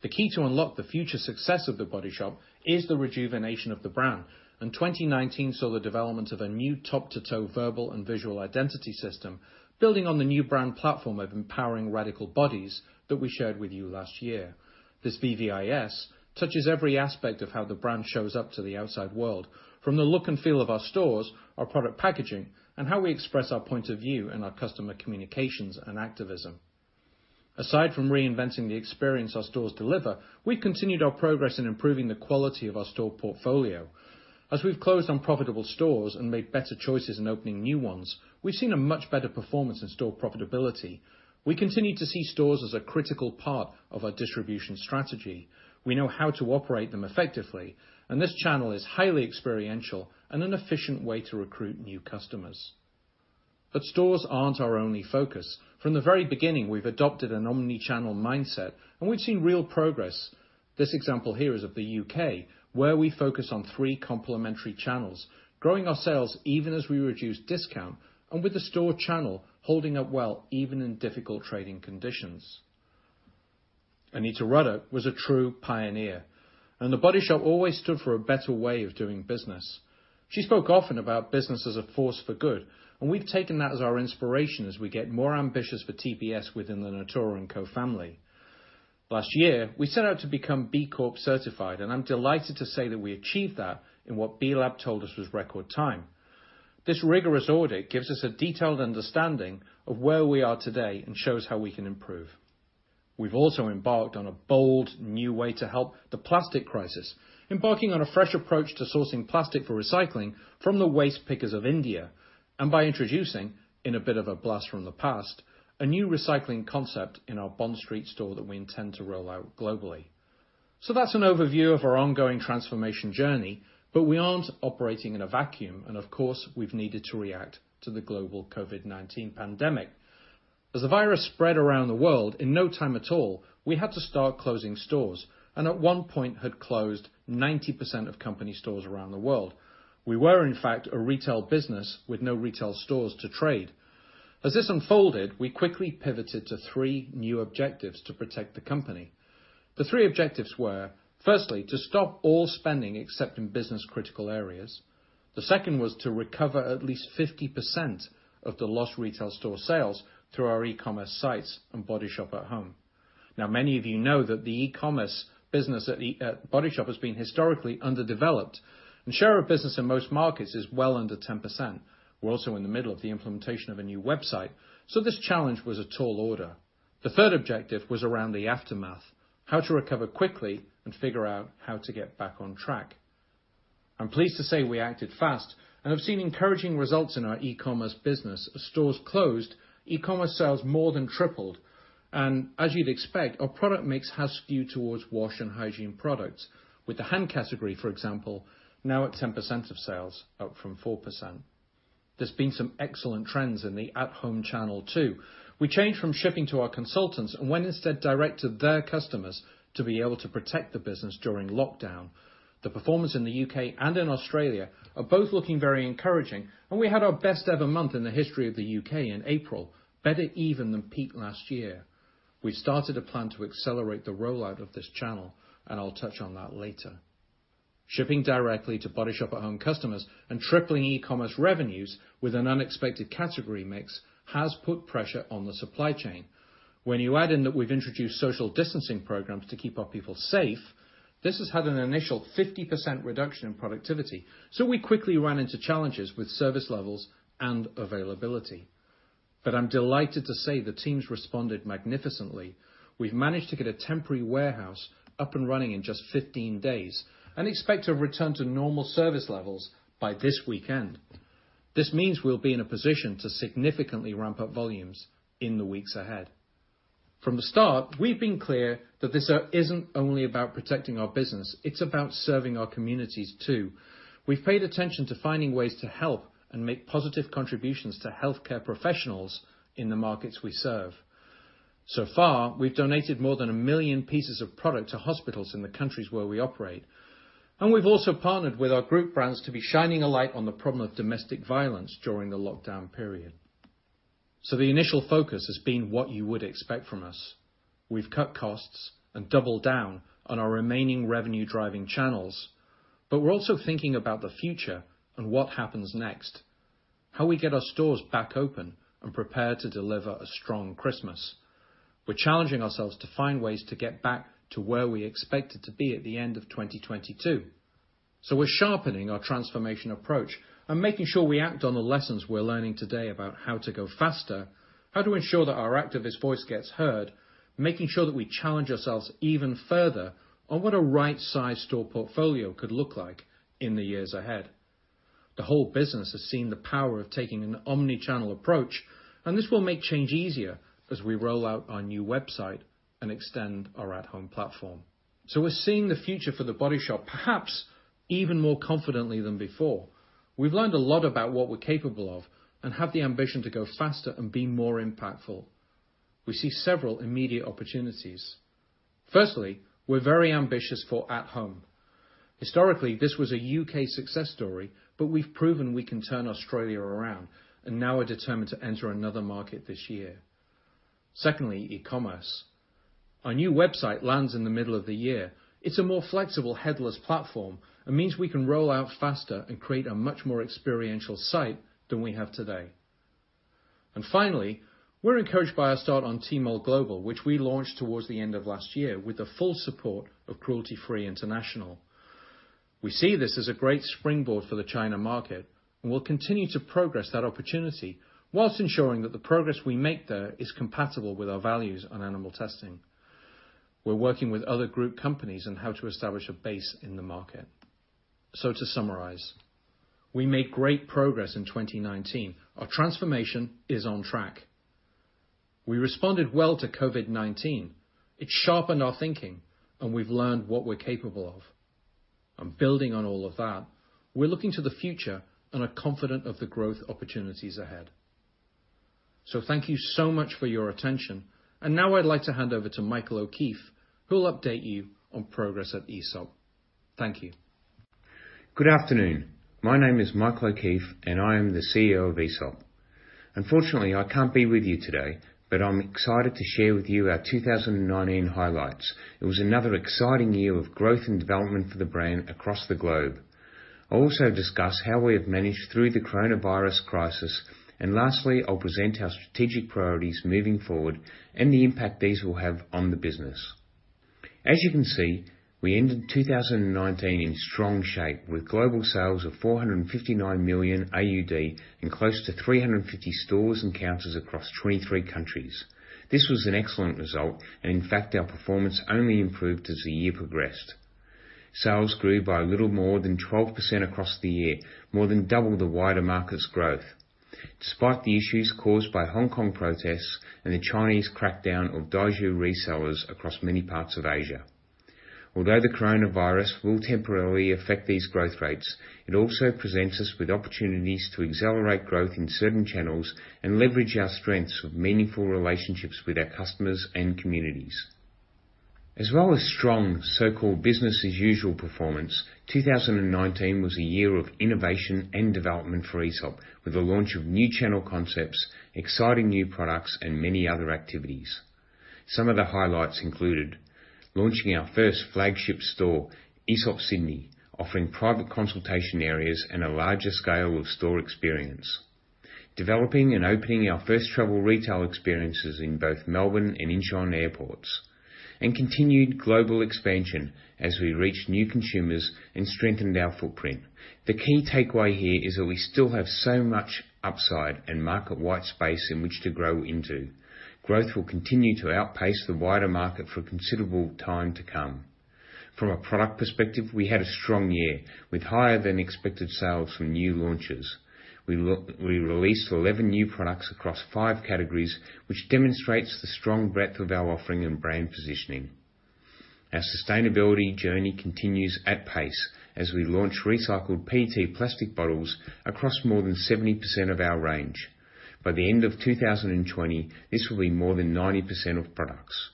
The key to unlock the future success of The Body Shop is the rejuvenation of the brand. 2019 saw the development of a new top-to-toe verbal and visual identity system, building on the new brand platform of empowering radical bodies that we shared with you last year. This VVIS touches every aspect of how the brand shows up to the outside world, from the look and feel of our stores, our product packaging, and how we express our point of view in our customer communications and activism. Aside from reinventing the experience our stores deliver, we've continued our progress in improving the quality of our store portfolio. As we've closed unprofitable stores and made better choices in opening new ones, we've seen a much better performance in store profitability. We continue to see stores as a critical part of our distribution strategy. We know how to operate them effectively, and this channel is highly experiential and an efficient way to recruit new customers. Stores aren't our only focus. From the very beginning, we've adopted an omni-channel mindset, and we've seen real progress. This example here is of the U.K., where we focus on three complementary channels, growing our sales even as we reduce discount, and with the store channel holding up well even in difficult trading conditions. Anita Roddick was a true pioneer, and The Body Shop always stood for a better way of doing business. She spoke often about business as a force for good, and we've taken that as our inspiration as we get more ambitious for TBS within the Natura &Co family. Last year, we set out to become B Corp-certified. I'm delighted to say that we achieved that in what B Lab told us was record time. This rigorous audit gives us a detailed understanding of where we are today and shows how we can improve. We've also embarked on a bold new way to help the plastic crisis, embarking on a fresh approach to sourcing plastic for recycling from the waste pickers of India, and by introducing, in a bit of a blast from the past, a new recycling concept in our Bond Street Store that we intend to roll out globally. That's an overview of our ongoing transformation journey, but we aren't operating in a vacuum. Of course, we've needed to react to the global COVID-19 pandemic. As the virus spread around the world, in no time at all, we had to start closing stores, and at one point had closed 90% of company stores around the world. We were, in fact, a retail business with no retail stores to trade. As this unfolded, we quickly pivoted to three new objectives to protect the company. The three objectives were, firstly, to stop all spending except in business-critical areas. The second was to recover at least 50% of the lost retail store sales through our e-commerce sites and The Body Shop At Home. Now, many of you know that the e-commerce business at The Body Shop has been historically underdeveloped, and share of business in most markets is well under 10%. We're also in the middle of the implementation of a new website, so this challenge was a tall order. The third objective was around the aftermath, how to recover quickly and figure out how to get back on track. I'm pleased to say we acted fast and have seen encouraging results in our e-commerce business. As stores closed, e-commerce sales more than tripled. As you'd expect, our product mix has skewed towards wash and hygiene products with the hand category, for example, now at 10% of sales up from 4%. There's been some excellent trends in the At Home channel, too. We changed from shipping to our consultants and went instead direct to their customers to be able to protect the business during lockdown. The performance in the U.K. and in Australia are both looking very encouraging, and we had our best-ever month in the history of the U.K. in April, better even than peak last year. We started a plan to accelerate the rollout of this channel, and I'll touch on that later. Shipping directly to The Body Shop At Home customers and tripling e-commerce revenues with an unexpected category mix has put pressure on the supply chain. When you add in that we've introduced social distancing programs to keep our people safe, this has had an initial 50% reduction in productivity. We quickly ran into challenges with service levels and availability. I'm delighted to say the teams responded magnificently. We've managed to get a temporary warehouse up and running in just 15 days and expect to return to normal service levels by this weekend. This means we'll be in a position to significantly ramp up volumes in the weeks ahead. From the start, we've been clear that this isn't only about protecting our business, it's about serving our communities, too. We've paid attention to finding ways to help and make positive contributions to healthcare professionals in the markets we serve. So far, we've donated more than 1 million pieces of product to hospitals in the countries where we operate. We've also partnered with our group brands to be shining a light on the problem of domestic violence during the lockdown period. The initial focus has been what you would expect from us. We've cut costs and doubled down on our remaining revenue-driving channels but we're also thinking about the future and what happens next, how we get our stores back open and prepare to deliver a strong Christmas. We're challenging ourselves to find ways to get back to where we expected to be at the end of 2022. We're sharpening our transformation approach and making sure we act on the lessons we're learning today about how to go faster, how to ensure that our activist voice gets heard, making sure that we challenge ourselves even further on what a right-sized store portfolio could look like in the years ahead. The whole business has seen the power of taking an omni-channel approach, and this will make change easier as we roll out our new website and extend our At Home platform. We're seeing the future for The Body Shop perhaps even more confidently than before. We've learned a lot about what we're capable of and have the ambition to go faster and be more impactful. We see several immediate opportunities. Firstly, we're very ambitious for At Home. Historically, this was a U.K. success story, but we've proven we can turn Australia around and now are determined to enter another market this year. Secondly, e-commerce. Our new website lands in the middle of the year. It's a more flexible headless platform and means we can roll out faster and create a much more experiential site than we have today. Finally, we're encouraged by our start on Tmall Global, which we launched towards the end of last year with the full support of Cruelty Free International. We see this as a great springboard for the China market, and we'll continue to progress that opportunity whilst ensuring that the progress we make there is compatible with our values on animal testing. We're working with other group companies on how to establish a base in the market. To summarize, we made great progress in 2019. Our transformation is on track. We responded well to COVID-19. It sharpened our thinking, and we've learned what we're capable of. Building on all of that, we're looking to the future and are confident of the growth opportunities ahead. Thank you so much for your attention. Now I'd like to hand over to Michael O'Keeffe, who will update you on progress at Aesop. Thank you. Good afternoon. My name is Michael O'Keeffe, and I am the CEO of Aesop. Unfortunately, I can't be with you today, but I'm excited to share with you our 2019 highlights. It was another exciting year of growth and development for the brand across the globe. I'll also discuss how we have managed through the coronavirus crisis, and lastly, I'll present our strategic priorities moving forward and the impact these will have on the business. As you can see, we ended 2019 in strong shape with global sales of 459 million AUD and close to 350 stores and counters across 23 countries. This was an excellent result, and in fact, our performance only improved as the year progressed. Sales grew by a little more than 12% across the year, more than double the wider market's growth. Despite the issues caused by Hong Kong protests and the Chinese crackdown of daigou resellers across many parts of Asia. Although the coronavirus will temporarily affect these growth rates, it also presents us with opportunities to accelerate growth in certain channels and leverage our strengths of meaningful relationships with our customers and communities. As well as strong so-called business as usual performance, 2019 was a year of innovation and development for Aesop, with the launch of new channel concepts, exciting new products, and many other activities. Some of the highlights included launching our first flagship store, Aesop Sydney, offering private consultation areas and a larger scale of store experience, developing and opening our first travel retail experiences in both Melbourne and Incheon airports, and continued global expansion as we reached new consumers and strengthened our footprint. The key takeaway here is that we still have so much upside and market white space in which to grow into. Growth will continue to outpace the wider market for a considerable time to come. From a product perspective, we had a strong year with higher than expected sales from new launches. We released 11 new products across five categories, which demonstrates the strong breadth of our offering and brand positioning. Our sustainability journey continues at pace as we launch recycled PET plastic bottles across more than 70% of our range. By the end of 2020, this will be more than 90% of products.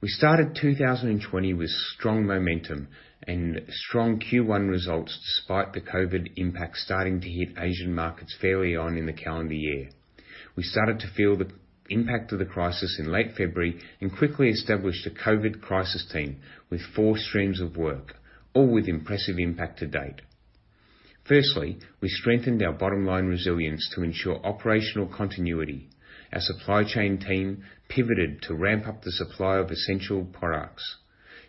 We started 2020 with strong momentum and strong Q1 results despite the COVID impact starting to hit Asian markets fairly early on in the calendar year. We started to feel the impact of the crisis in late February and quickly established a COVID crisis team with four streams of work, all with impressive impact to date. Firstly, we strengthened our bottom line resilience to ensure operational continuity. Our supply chain team pivoted to ramp up the supply of essential products.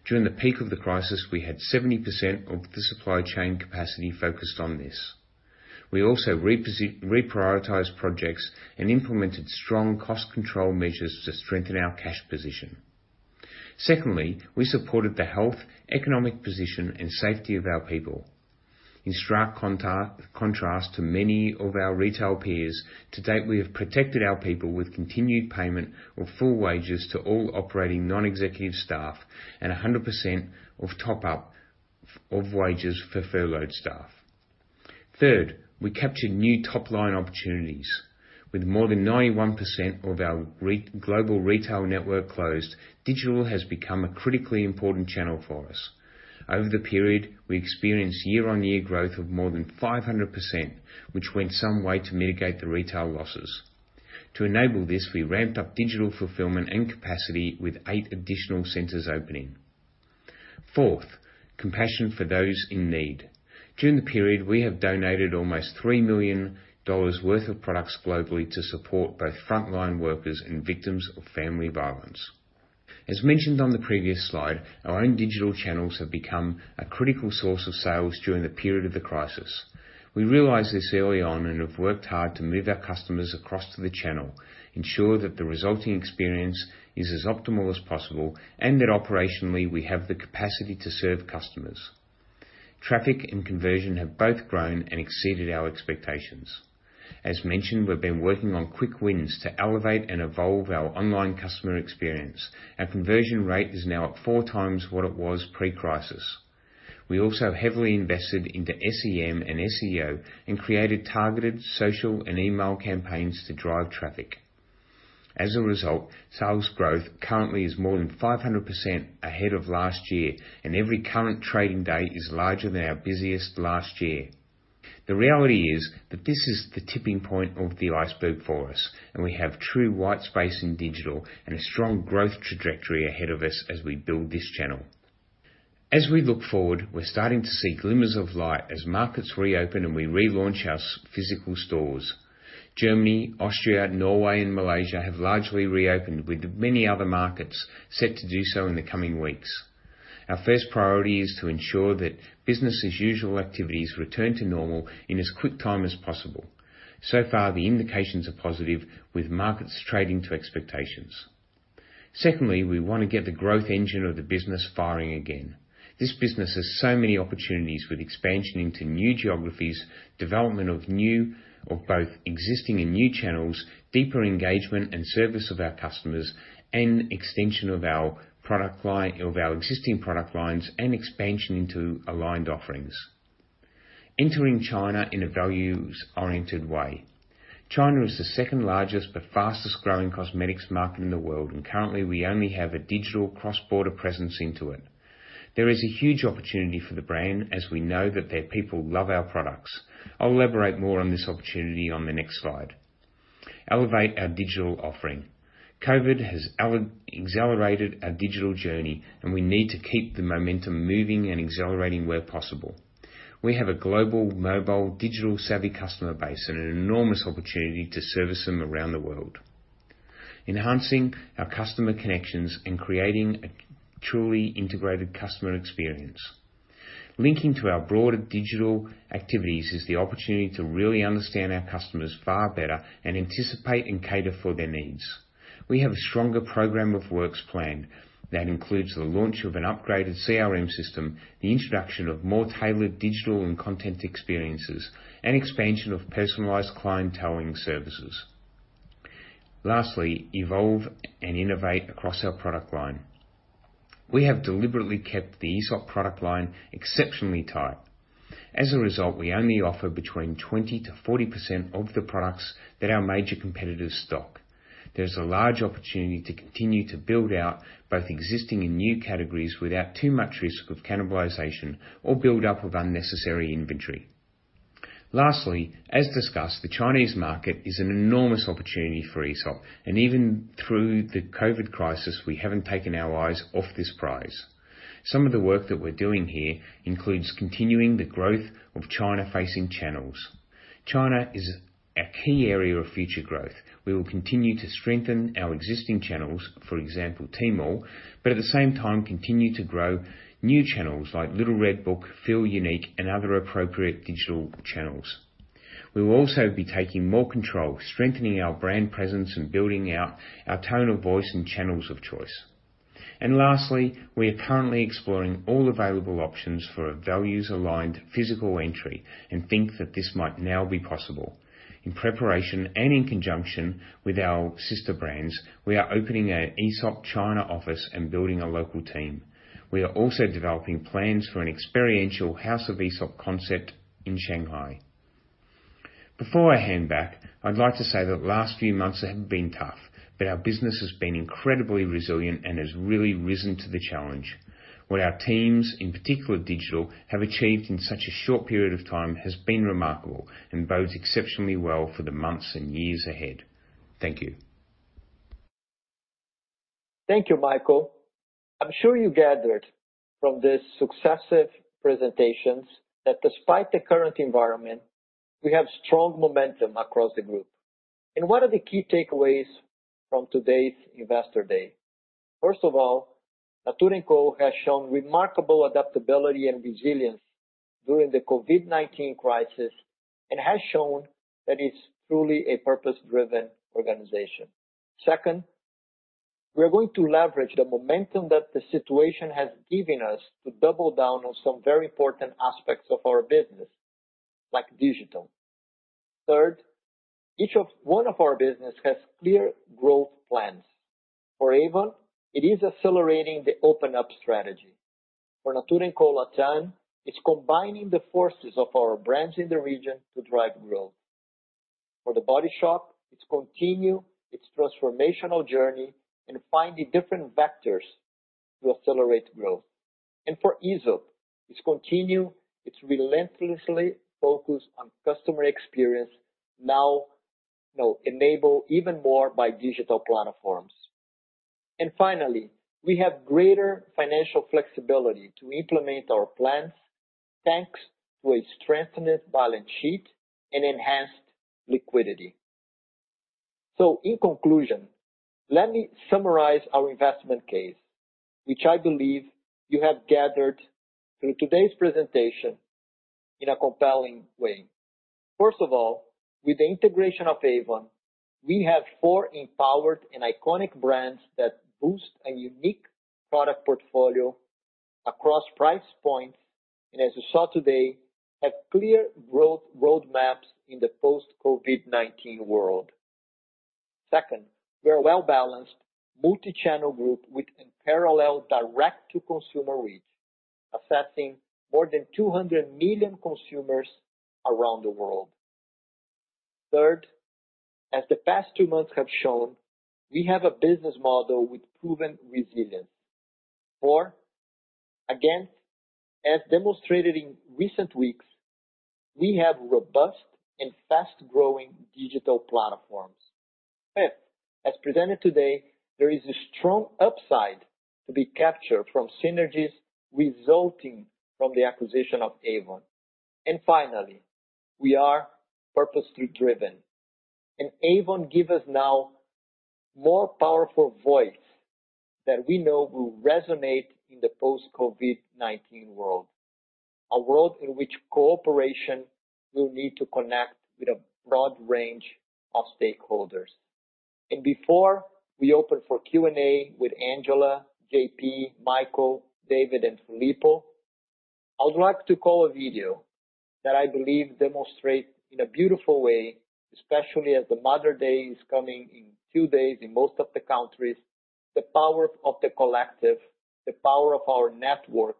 During the peak of the crisis, we had 70% of the supply chain capacity focused on this. We also reprioritized projects and implemented strong cost control measures to strengthen our cash position. Secondly, we supported the health, economic position, and safety of our people. In stark contrast to many of our retail peers, to date, we have protected our people with continued payment of full wages to all operating non-executive staff and 100% of top-up of wages for furloughed staff. Third, we captured new top-line opportunities. With more than 91% of our global retail network closed, digital has become a critically important channel for us. Over the period, we experienced year-on-year growth of more than 500%, which went some way to mitigate the retail losses. To enable this, we ramped up digital fulfillment and capacity with eight additional centers opening. Fourth, compassion for those in need. During the period, we have donated almost $3 million worth of products globally to support both frontline workers and victims of family violence. As mentioned on the previous slide, our own digital channels have become a critical source of sales during the period of the crisis. We realized this early on and have worked hard to move our customers across to the channel, ensure that the resulting experience is as optimal as possible, and that operationally, we have the capacity to serve customers. Traffic and conversion have both grown and exceeded our expectations. As mentioned, we've been working on quick wins to elevate and evolve our online customer experience. Our conversion rate is now at four times what it was pre-crisis. We also heavily invested into SEM and SEO and created targeted social and email campaigns to drive traffic. As a result, sales growth currently is more than 500% ahead of last year, and every current trading day is larger than our busiest last year. The reality is that this is the tipping point of the iceberg for us, and we have true white space in digital and a strong growth trajectory ahead of us as we build this channel. As we look forward, we're starting to see glimmers of light as markets reopen and we relaunch our physical stores. Germany, Austria, Norway, and Malaysia have largely reopened with many other markets set to do so in the coming weeks. Our first priority is to ensure that business as usual activities return to normal in as quick time as possible. So far, the indications are positive, with markets trading to expectations. Secondly, we want to get the growth engine of the business firing again. This business has so many opportunities with expansion into new geographies, development of both existing and new channels, deeper engagement and service of our customers, and extension of our existing product lines, and expansion into aligned offerings. Entering China in a values-oriented way. China is the second largest but fastest growing cosmetics market in the world, and currently we only have a digital cross-border presence into it. There is a huge opportunity for the brand as we know that their people love our products. I'll elaborate more on this opportunity on the next slide. Elevate our digital offering. COVID has accelerated our digital journey, and we need to keep the momentum moving and accelerating where possible. We have a global mobile, digital-savvy customer base, and an enormous opportunity to service them around the world, enhancing our customer connections and creating a truly integrated customer experience. Linking to our broader digital activities is the opportunity to really understand our customers far better and anticipate and cater for their needs. We have a stronger program of works planned that includes the launch of an upgraded CRM system, the introduction of more tailored digital and content experiences, and expansion of personalized clienteling services. Lastly, evolve and innovate across our product line. We have deliberately kept the Aesop product line exceptionally tight. As a result, we only offer between 20%-40% of the products that our major competitors stock. There's a large opportunity to continue to build out both existing and new categories without too much risk of cannibalization or build-up of unnecessary inventory. Lastly, as discussed, the Chinese market is an enormous opportunity for Aesop, and even through the COVID crisis, we haven't taken our eyes off this prize. Some of the work that we're doing here includes continuing the growth of China-facing channels. China is a key area of future growth. We will continue to strengthen our existing channels, for example, Tmall, but at the same time, continue to grow new channels like Little Red Book, Feelunique, and other appropriate digital channels. We will also be taking more control, strengthening our brand presence, and building out our tone of voice and channels of choice. Lastly, we are currently exploring all available options for a values-aligned physical entry and think that this might now be possible. In preparation and in conjunction with our sister brands, we are opening an Aesop China office and building a local team. We are also developing plans for an experiential House of Aesop concept in Shanghai. Before I hand back, I'd like to say that last few months have been tough, but our business has been incredibly resilient and has really risen to the challenge. What our teams, in particular digital, have achieved in such a short period of time has been remarkable and bodes exceptionally well for the months and years ahead. Thank you. Thank you, Michael. I'm sure you gathered from the successive presentations that despite the current environment, we have strong momentum across the group. What are the key takeaways from today's Investor Day? First of all, Natura &Co has shown remarkable adaptability and resilience during the COVID-19 crisis and has shown that it's truly a purpose-driven organization. Second, we are going to leverage the momentum that the situation has given us to double down on some very important aspects of our business, like digital. Third, each one of our business has clear growth plans. For Avon, it is accelerating the Open Up strategy. For Natura &Co LatAm, it's combining the forces of our brands in the region to drive growth. For The Body Shop, it's continue its transformational journey and find the different vectors to accelerate growth. For Aesop, it's continue its relentlessly focus on customer experience now enable even more by digital platforms. Finally, we have greater financial flexibility to implement our plans, thanks to a strengthened balance sheet and enhanced liquidity. In conclusion, let me summarize our investment case, which I believe you have gathered through today's presentation in a compelling way. First of all, with the integration of Avon, we have four empowered and iconic brands that boast a unique product portfolio across price points, and as you saw today, have clear roadmaps in the post-COVID-19 world. Second, we're a well-balanced, multi-channel group with unparalleled direct-to-consumer reach, accessing more than 200 million consumers around the world. Third, as the past two months have shown, we have a business model with proven resilience. Four, again, as demonstrated in recent weeks, we have robust and fast-growing digital platforms. Fifth, as presented today, there is a strong upside to be captured from synergies resulting from the acquisition of Avon. Finally, we are purposely driven Avon gives us now a more powerful voice that we know will resonate in the post-COVID-19 world. A world in which cooperation will need to connect with a broad range of stakeholders. Before we open for Q&A with Angela, JP, Michael, David, and Filippo, I would like to call a video that I believe demonstrates in a beautiful way, especially as Mother's Day is coming in two days in most of the countries, the power of the collective, the power of our network,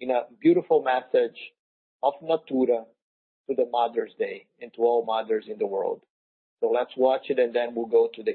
in a beautiful message of Natura to Mother's Day and to all mothers in the world. Let's watch it, and then we'll go to the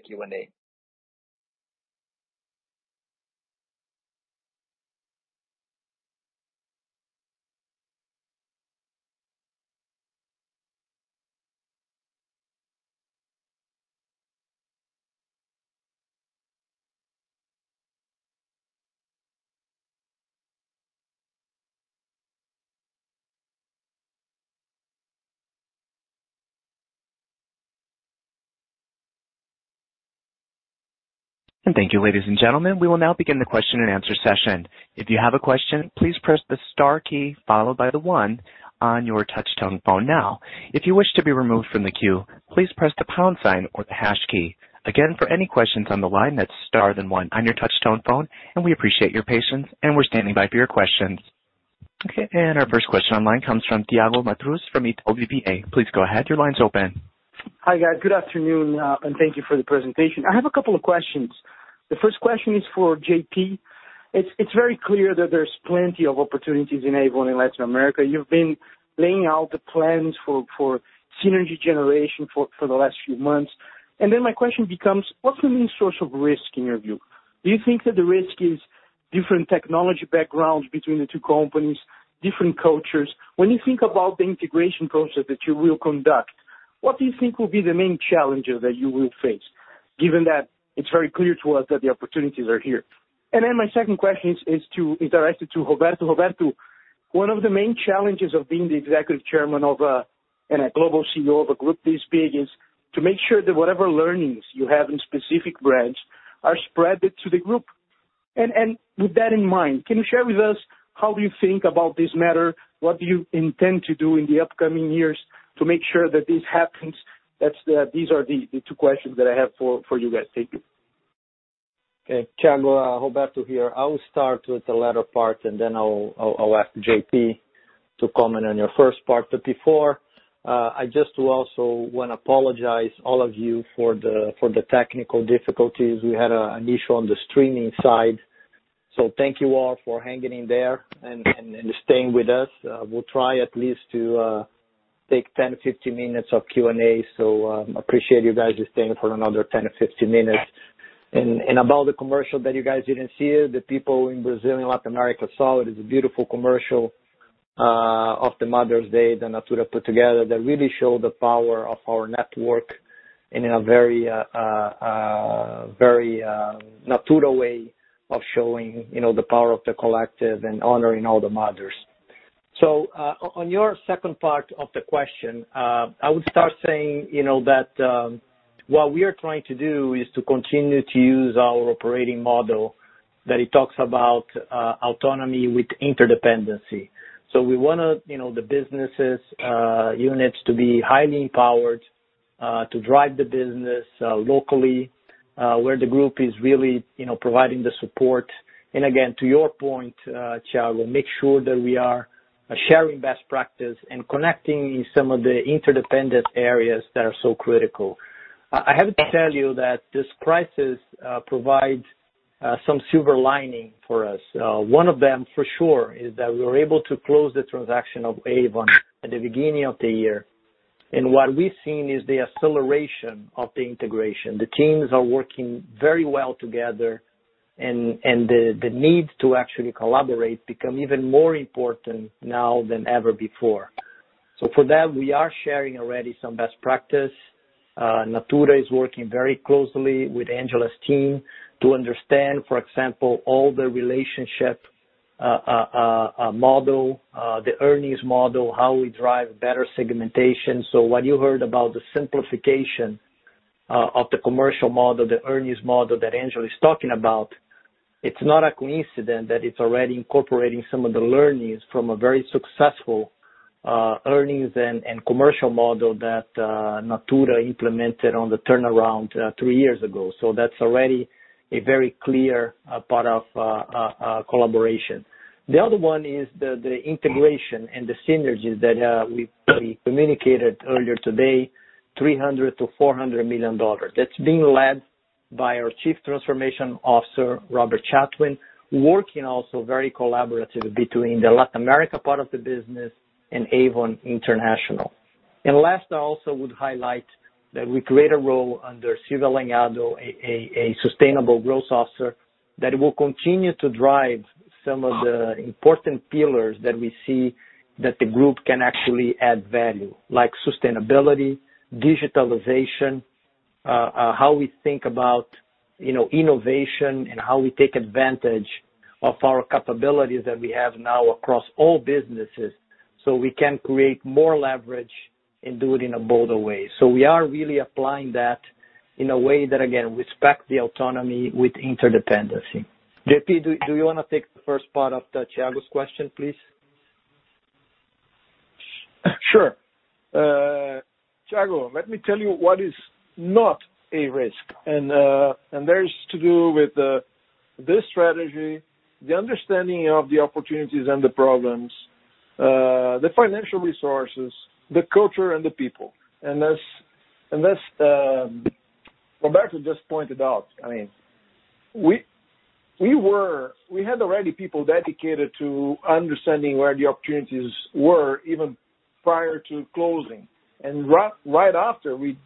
Q&A. Thank you, ladies and gentlemen. We will now begin the question-and-answer session. If you have a question, please press the star key followed by the one on your touchtone phone now. If you wish to be removed from the queue, please press the pound sign or the hash key. For any questions on the line, that's star, then one on your touchtone phone, and we appreciate your patience, and we're standing by for your questions. Okay. Our first question on the line comes from Thiago Macruz from Itaú BBA. Please go ahead. Your line's open. Hi, guys. Good afternoon, and thank you for the presentation. I have a couple of questions. The first question is for JP. It's very clear that there's plenty of opportunities in Avon in Latin America. You've been laying out the plans for synergy generation for the last few months. My question becomes, what's the main source of risk in your view? Do you think that the risk is different technology backgrounds between the two companies, different cultures? When you think about the integration process that you will conduct, what do you think will be the main challenges that you will face, given that it's very clear to us that the opportunities are here? My second question is directed to Roberto. Roberto, one of the main challenges of being the Executive Chairman and a Global CEO of a group this big is to make sure that whatever learnings you have in specific brands are spread to the group. With that in mind, can you share with us how you think about this matter? What do you intend to do in the upcoming years to make sure that this happens? These are the two questions that I have for you guys. Thank you. Okay. Thiago, Roberto here. I will start with the latter part, and then I'll ask JP to comment on your first part. Before, I just also want to apologize to all of you for the technical difficulties. We had an issue on the streaming side. Thank you all for hanging in there and staying with us. We'll try at least to take 10-15 minutes of Q&A. Appreciate you guys staying for another 10-15 minutes. About the commercial that you guys didn't see, the people in Brazil, in Latin America saw it. It's a beautiful commercial of Mother's Day that Natura put together that really showed the power of our network and in a very Natura way of showing the power of the collective and honoring all the mothers. On your second part of the question, I would start saying that what we are trying to do is to continue to use our operating model, that it talks about autonomy with interdependency. We want the business units to be highly-empowered, to drive the business locally, where the group is really providing the support. Again, to your point, Thiago, make sure that we are sharing best practices and connecting in some of the interdependent areas that are so critical. I have to tell you that this crisis provides some silver lining for us. One of them, for sure, is that we were able to close the transaction of Avon at the beginning of the year. What we've seen is the acceleration of the integration. The teams are working very well together and the need to actually collaborate becomes even more important now than ever before. For that, we are sharing already some best practices. Natura is working very closely with Angela's team to understand, for example, all the relationship model, the earnings model, how we drive better segmentation. What you heard about the simplification of the commercial model, the earnings model that Angela is talking about, it's not a coincidence that it's already incorporating some of the learnings from a very successful earnings and commercial model that Natura implemented on the turnaround three years ago, so that's already a very clear part of collaboration. The other one is the integration and the synergies that we communicated earlier today, $300 million-$400 million. That's being led by our Chief Transformation Officer, Robert Chatwin, working also very collaboratively between the Latin America part of the business and Avon International. Last, I also would highlight that we create a role under Silvia Lagnado, a Sustainable Growth Officer, that will continue to drive some of the important pillars that we see that the group can actually add value, like sustainability, digitalization. How we think about innovation, and how we take advantage of our capabilities that we have now across all businesses, so we can create more leverage and do it in a bolder way. We are really applying that in a way that, again, respects the autonomy with interdependency. JP, do you want to take the first part of Thiago's question, please? Sure. Thiago, let me tell you what is not a risk. That is to do with this strategy, the understanding of the opportunities and the problems, the financial resources, the culture, and the people. As Roberto just pointed out, we had already people dedicated to understanding where the opportunities were, even prior to closing. Right after, we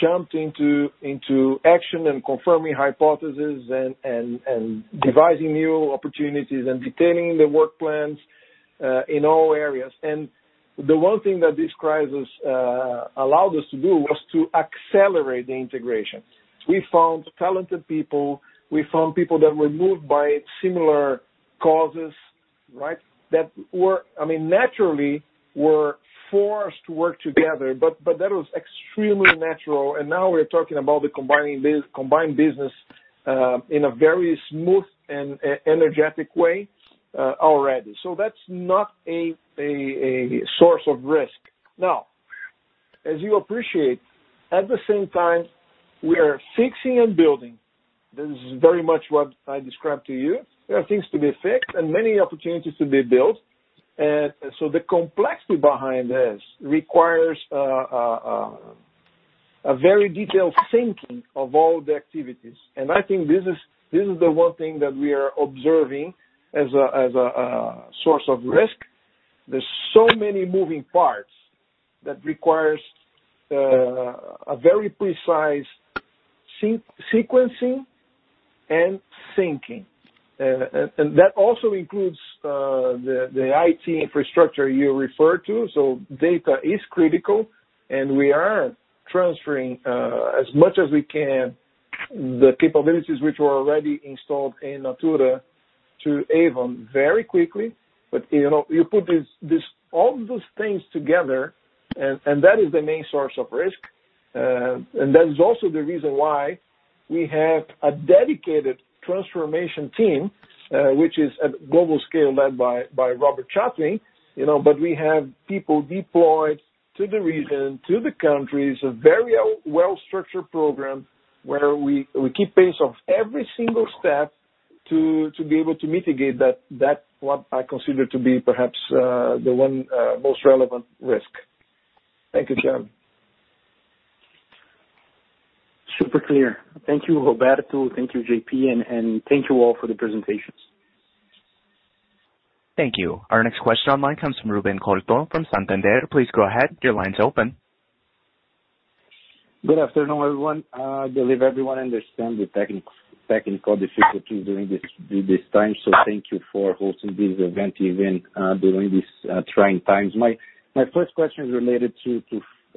jumped into action and confirming hypothesis and devising new opportunities and detailing the work plans, in all areas. The one thing that this crisis allowed us to do was to accelerate the integration. We found talented people, we found people that were moved by similar causes that naturally were forced to work together, but that was extremely natural. Now we're talking about the combined business in a very smooth and energetic way already. That's not a source of risk. Now, as you appreciate, at the same time, we are fixing and building. This is very much what I described to you. There are things to be fixed and many opportunities to be built. The complexity behind this requires a very detailed thinking of all the activities. I think this is the one thing that we are observing as a source of risk. There is so many moving parts that requires a very precise sequencing and thinking. That also includes the IT infrastructure you referred to. Data is critical, and we are transferring, as much as we can, the capabilities which were already installed in Natura to Avon very quickly. You put all those things together, and that is the main source of risk. That is also the reason why we have a dedicated transformation team, which is at global scale led by Robert Chatwin but we have people deployed to the region, to the countries, a very well-structured program where we keep pace of every single step to be able to mitigate that. That's what I consider to be perhaps the one most relevant risk. Thank you, Thiago. Super clear. Thank you, Roberto. Thank you, JP. Thank you all for the presentations. Thank you. Our next question online comes from Ruben Couto from Santander. Please go ahead. Your line's open. Good afternoon, everyone. I believe everyone understands the technical difficulties during this time, so thank you for hosting this event even during these trying times. My first question is related to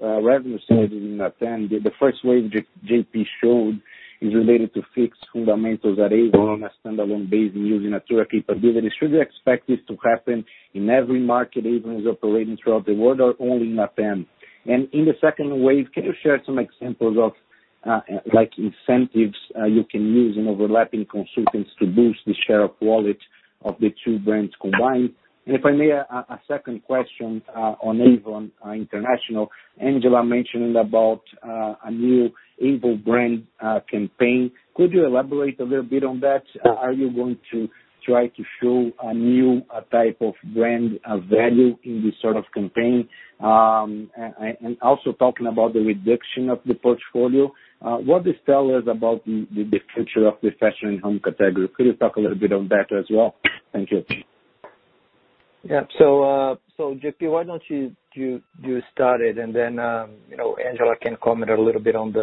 revenue side in LatAm. The first wave JP showed is related to fixed fundamentals at Avon on a standalone basis using Natura capabilities. Should we expect this to happen in every market Avon is operating throughout the world, or only in LatAm? In the second wave, can you share some examples of incentives you can use in overlapping consultants to boost the share of wallet of the two brands combined? If I may, a second question, on Avon International. Angela mentioned about a new Avon brand campaign. Could you elaborate a little bit on that? Are you going to try to show a new type of brand of value in this sort of campaign? Also talking about the reduction of the portfolio, what this tells us about the future of the fashion and home category? Could you talk a little bit on that as well? Thank you. Yeah. JP, why don't you start it and then Angela can comment a little bit on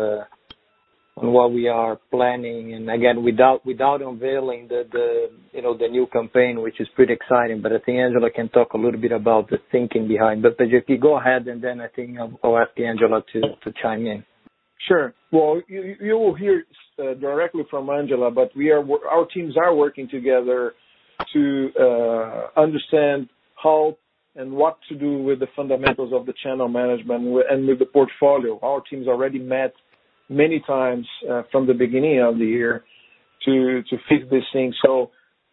what we are planning, and again, without unveiling the new campaign, which is pretty exciting. I think Angela can talk a little bit about the thinking behind. JP, go ahead, and then I think I'll ask Angela to chime in Sure. Well, you will hear directly from Angela, our teams are working together to understand how and what to do with the fundamentals of the channel management and with the portfolio. Our teams already met many times, from the beginning of the year to fix these things.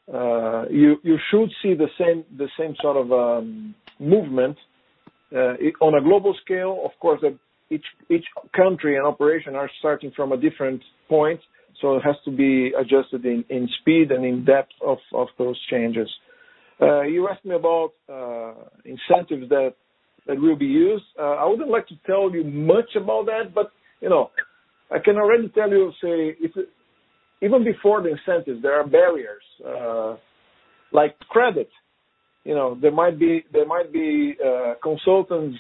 You should see the same sort of movement on a global scale. Of course, each country and operation are starting from a different point, so it has to be adjusted in speed and in depth of those changes. You asked me about incentives that will be used. I wouldn't like to tell you much about that, I can already tell you, say, even before the incentive, there are barriers, like credit. There might be consultants,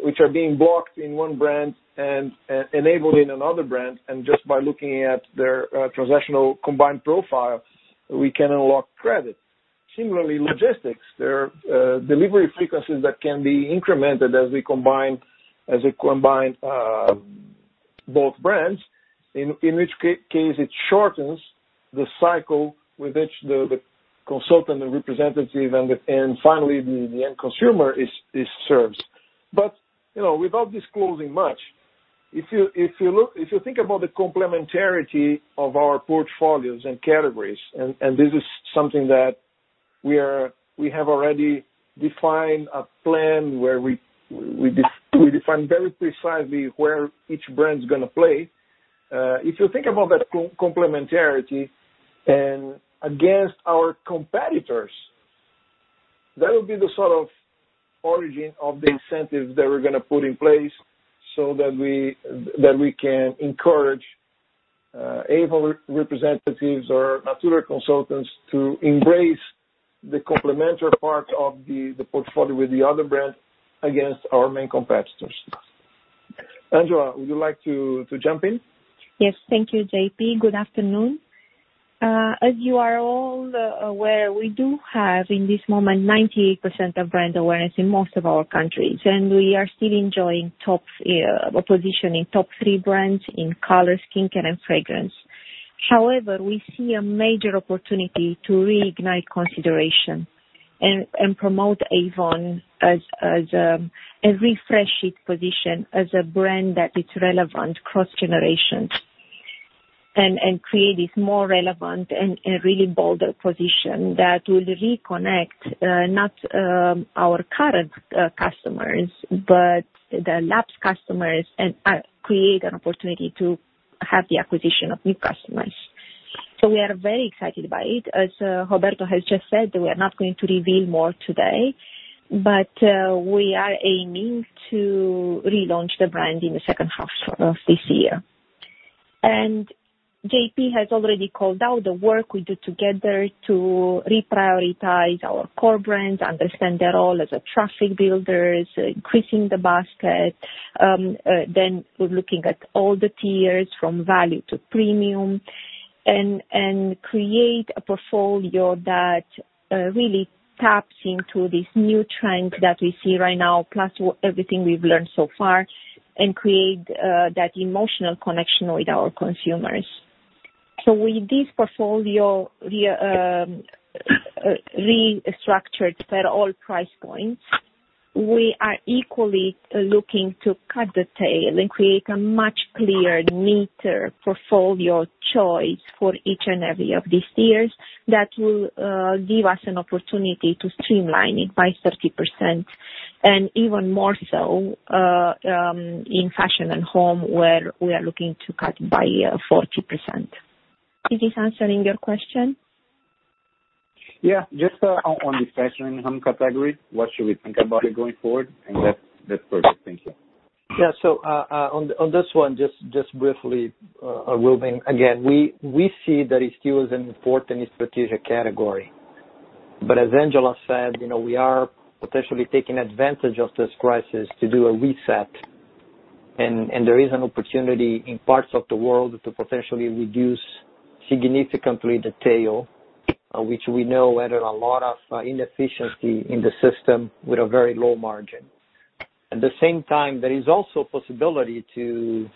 which are being blocked in one brand and enabled in another brand, and just by looking at their transactional combined profile, we can unlock credit Similarly, logistics. There are delivery frequencies that can be incremented as we combine both brands, in which case it shortens the cycle with which the consultant, the representative, and finally the end consumer is served. Without disclosing much, if you think about the complementarity of our portfolios and categories, and this is something that we have already defined a plan where we define very precisely where each brand is going to play. If you think about that complementarity and against our competitors, that will be the sort of origin of the incentive that we're going to put in place so that we can encourage Avon representatives or Natura consultants to embrace the complementary part of the portfolio with the other brand against our main competitors. Angela, would you like to jump in? Yes. Thank you, JP. Good afternoon. As you are all aware, we do have, in this moment, 98% of brand awareness in most of our countries, and we are still enjoying positioning top three brands in color, skincare, and fragrance. However, we see a major opportunity to reignite consideration and promote Avon and refresh its position as a brand that is relevant cross-generations, and create this more relevant and a really bolder position that will reconnect, not our current customers, but the lapsed customers and create an opportunity to have the acquisition of new customers. We are very excited by it. As Roberto has just said, we are not going to reveal more today, we are aiming to relaunch the brand in the second half of this year. JP has already called out the work we do together to reprioritize our core brands, understand their role as traffic builders, increasing the basket. We're looking at all the tiers from value to premium and create a portfolio that really taps into this new trend that we see right now, plus everything we've learned so far, and create that emotional connection with our consumers. With this portfolio restructured for all price points, we are equally looking to cut the tail and create a much clearer, neater portfolio choice for each and every of these tiers that will give us an opportunity to streamline it by 30% and even more so, in fashion and home, where we are looking to cut by 40%. Is this answering your question? Yeah. Just on the fashion and home category, what should we think about it going forward? That's perfect. Thank you. On this one, just briefly, Ruben, again, we see that it still is an important strategic category. As Angela said, we are potentially taking advantage of this crisis to do a reset, and there is an opportunity in parts of the world to potentially reduce significantly the tail, which we know had a lot of inefficiency in the system with a very low margin. At the same time, there is also possibility to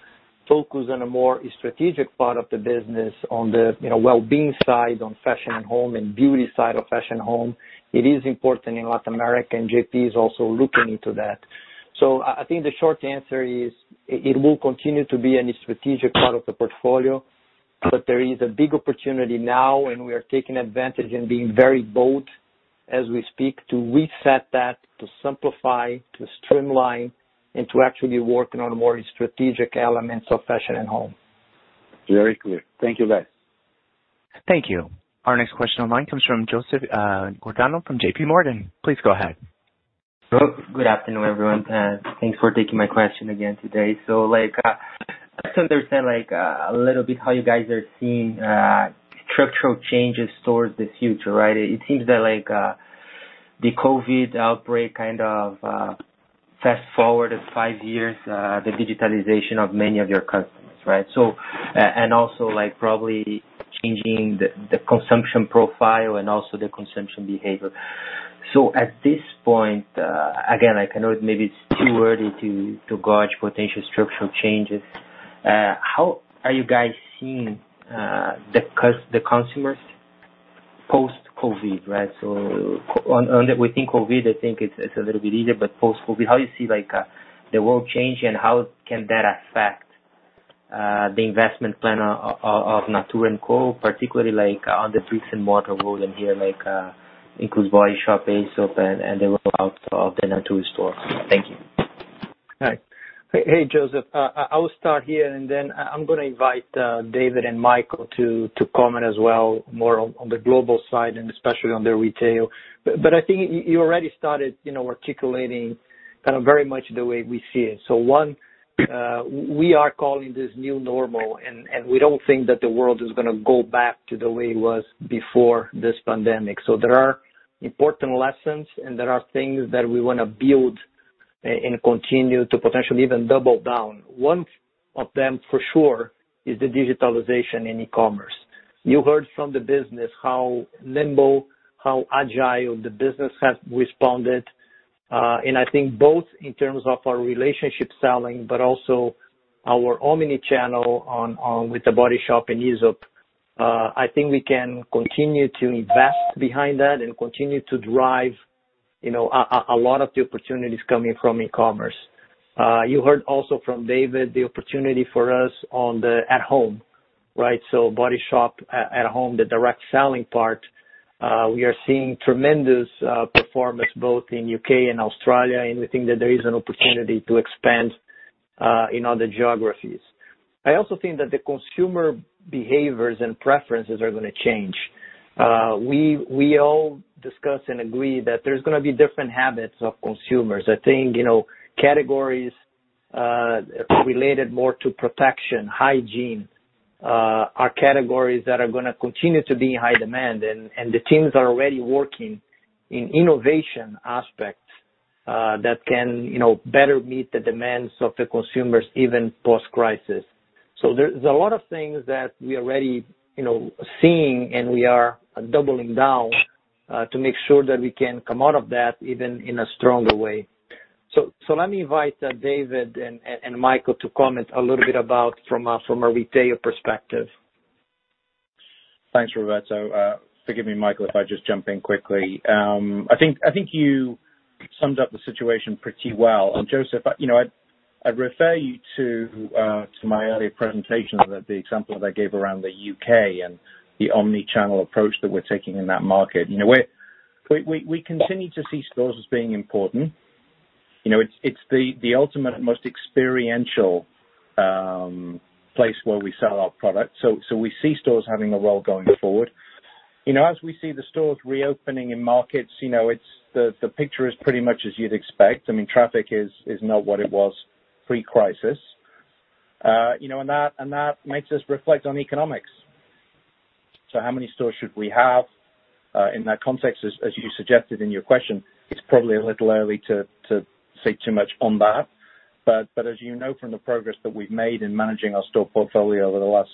focus on a more strategic part of the business on the wellbeing side, on fashion and home and beauty side of fashion home. It is important in Latin America, and JP is also looking into that. I think the short answer is, it will continue to be a strategic part of the portfolio, but there is a big opportunity now, and we are taking advantage and being very bold as we speak, to reset that, to simplify, to streamline, and to actually work on more strategic elements of fashion and home. Very clear. Thank you, guys. Thank you. Our next question online comes from Joseph Giordano from JPMorgan. Please go ahead. Good afternoon, everyone. Thanks for taking my question again today. I'd like to understand a little bit how you guys are seeing structural changes towards the future, right? It seems that the COVID outbreak kind of fast-forwarded five years, the digitalization of many of your customers, right? Also probably changing the consumption profile and also the consumption behavior. At this point, again, I know maybe it's too early to gauge potential structural changes. How are you guys seeing the consumers post-COVID, right? Within COVID, I think it's a little bit easier, but post-COVID, how do you see the world change, and how can that affect the investment plan of Natura &Co, particularly on the bricks-and-mortar world in here, includes The Body Shop, Aesop, and the rollout of the Natura store? Thank you. All right. Hey, Joseph. I'll start here. Then I'm going to invite David and Michael to comment as well, more on the global side and especially on the retail. I think you already started articulating kind of very much the way we see it. One, we are calling this new normal. We don't think that the world is going to go back to the way it was before this pandemic. There are important lessons and there are things that we want to build and continue to potentially even double down. One of them for sure is the digitalization in e-commerce. You heard from the business how nimble, how agile the business has responded. I think both in terms of our relationship selling, but also our omni-channel with The Body Shop and Aesop, I think we can continue to invest behind that and continue to drive a lot of the opportunities coming from e-commerce. You heard also from David the opportunity for us on the at home. Body Shop At Home, the direct selling part, we are seeing tremendous performance both in the U.K. and Australia, and we think that there is an opportunity to expand in other geographies. I also think that the consumer behaviors and preferences are going to change. We all discuss and agree that there's going to be different habits of consumers. I think categories related more to protection, hygiene, are categories that are going to continue to be in high demand, and the teams are already working in innovation aspects that can better meet the demands of the consumers, even post-crisis. There's a lot of things that we are already seeing, and we are doubling down to make sure that we can come out of that even in a stronger way. Let me invite David and Michael to comment a little bit about from a retail perspective. Thanks, Roberto. Forgive me, Michael, if I just jump in quickly. I think you summed up the situation pretty well. Joseph, I'd refer you to my earlier presentation, the example that I gave around the U.K. and the omni-channel approach that we're taking in that market. We continue to see stores as being important. It's the ultimate and most experiential place where we sell our product. We see stores having a role going forward. As we see the stores reopening in markets, the picture is pretty much as you'd expect. Traffic is not what it was pre-crisis. That makes us reflect on economics. How many stores should we have? In that context, as you suggested in your question, it's probably a little early to say too much on that. As you know from the progress that we've made in managing our store portfolio over the last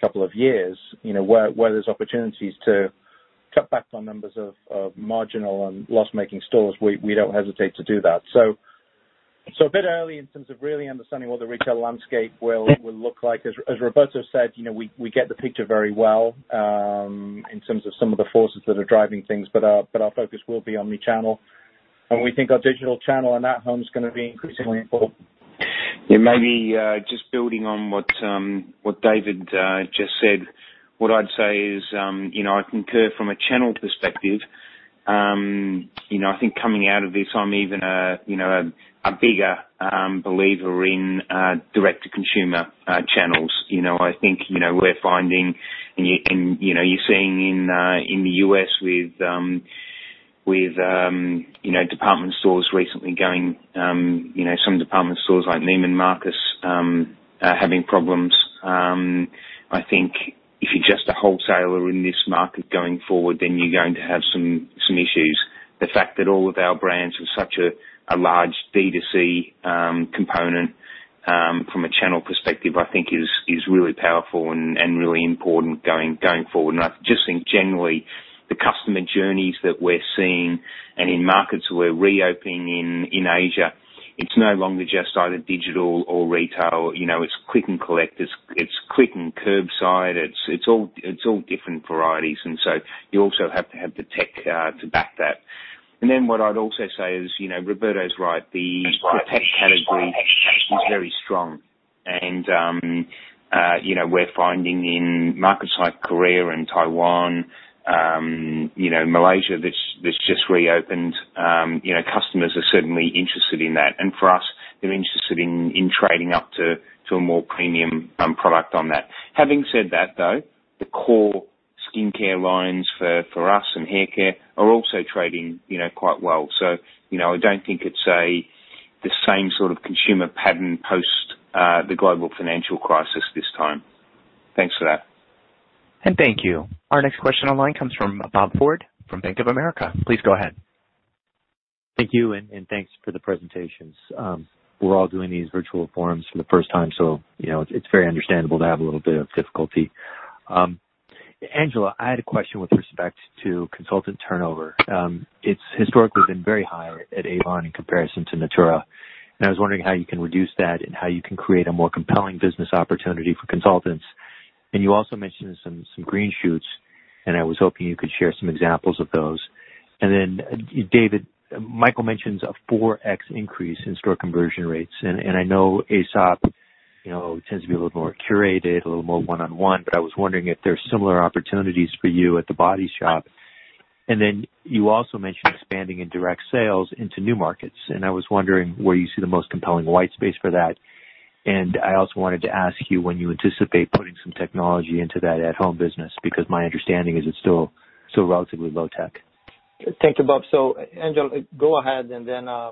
couple of years, where there's opportunities to cut back on numbers of marginal and loss-making stores, we don't hesitate to do that. A bit early in terms of really understanding what the retail landscape will look like. As Roberto said, we get the picture very well in terms of some of the forces that are driving things, our focus will be omni-channel. We think our digital channel and at home is going to be increasingly important. Yeah, maybe just building on what David just said, what I'd say is I concur from a channel perspective. I think coming out of this, I'm even a bigger believer in direct-to-consumer channels. I think we're finding, and you're seeing in the U.S. with department stores recently, some department stores like Neiman Marcus are having problems. I think if you're just a wholesaler in this market going forward, then you're going to have some issues. The fact that all of our brands have such a large D2C component from a channel perspective, I think is really powerful and really important going forward. I just think generally, the customer journeys that we're seeing and in markets we're reopening in Asia, it's no longer just either digital or retail. It's click and collect, it's click and curbside. It's all different varieties and so you also have to have the tech to back that. What I'd also say is, Roberto is right. The protect category is very strong. We're finding in markets like Korea and Taiwan, Malaysia that's just reopened, customers are certainly interested in that. For us, they're interested in trading up to a more premium product on that. Having said that, though, the core skincare lines for us and haircare are also trading quite well. I don't think it's the same sort of consumer pattern post the global financial crisis this time. Thanks for that. Thank you. Our next question on the line comes from Bob Ford from Bank of America. Please go ahead. Thank you, and thanks for the presentations. We're all doing these virtual forums for the first time, so it's very understandable to have a little bit of difficulty. Angela, I had a question with respect to consultant turnover. It's historically been very high at Avon in comparison to Natura, and I was wondering how you can reduce that and how you can create a more compelling business opportunity for consultants. You also mentioned some green shoots, and I was hoping you could share some examples of those. Then David, Michael mentions a 4x increase in store conversion rates, and I know Aesop tends to be a little more curated, a little more one-on-one, but I was wondering if there's similar opportunities for you at The Body Shop. You also mentioned expanding in direct sales into new markets, and I was wondering where you see the most compelling white space for that. I also wanted to ask you when you anticipate putting some technology into that at home business, because my understanding is it's still relatively low tech. Thank you, Bob. Angela, go ahead, and then I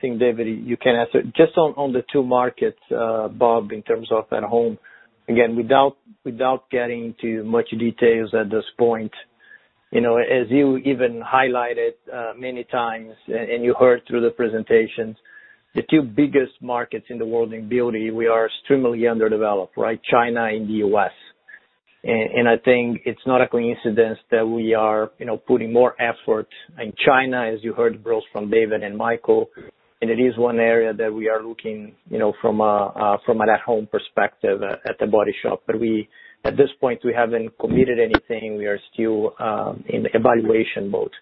think, David, you can answer. Just on the two markets, Bob, in terms of at home. Again, without getting into much details at this point. As you even highlighted many times, and you heard through the presentations, the two biggest markets in the world in beauty, we are extremely underdeveloped. China and the U.S. I think it's not a coincidence that we are putting more effort in China, as you heard, both from David and Michael, and it is one area that we are looking from an at-home perspective at The Body Shop. At this point, we haven't committed anything. We are still in evaluation mode.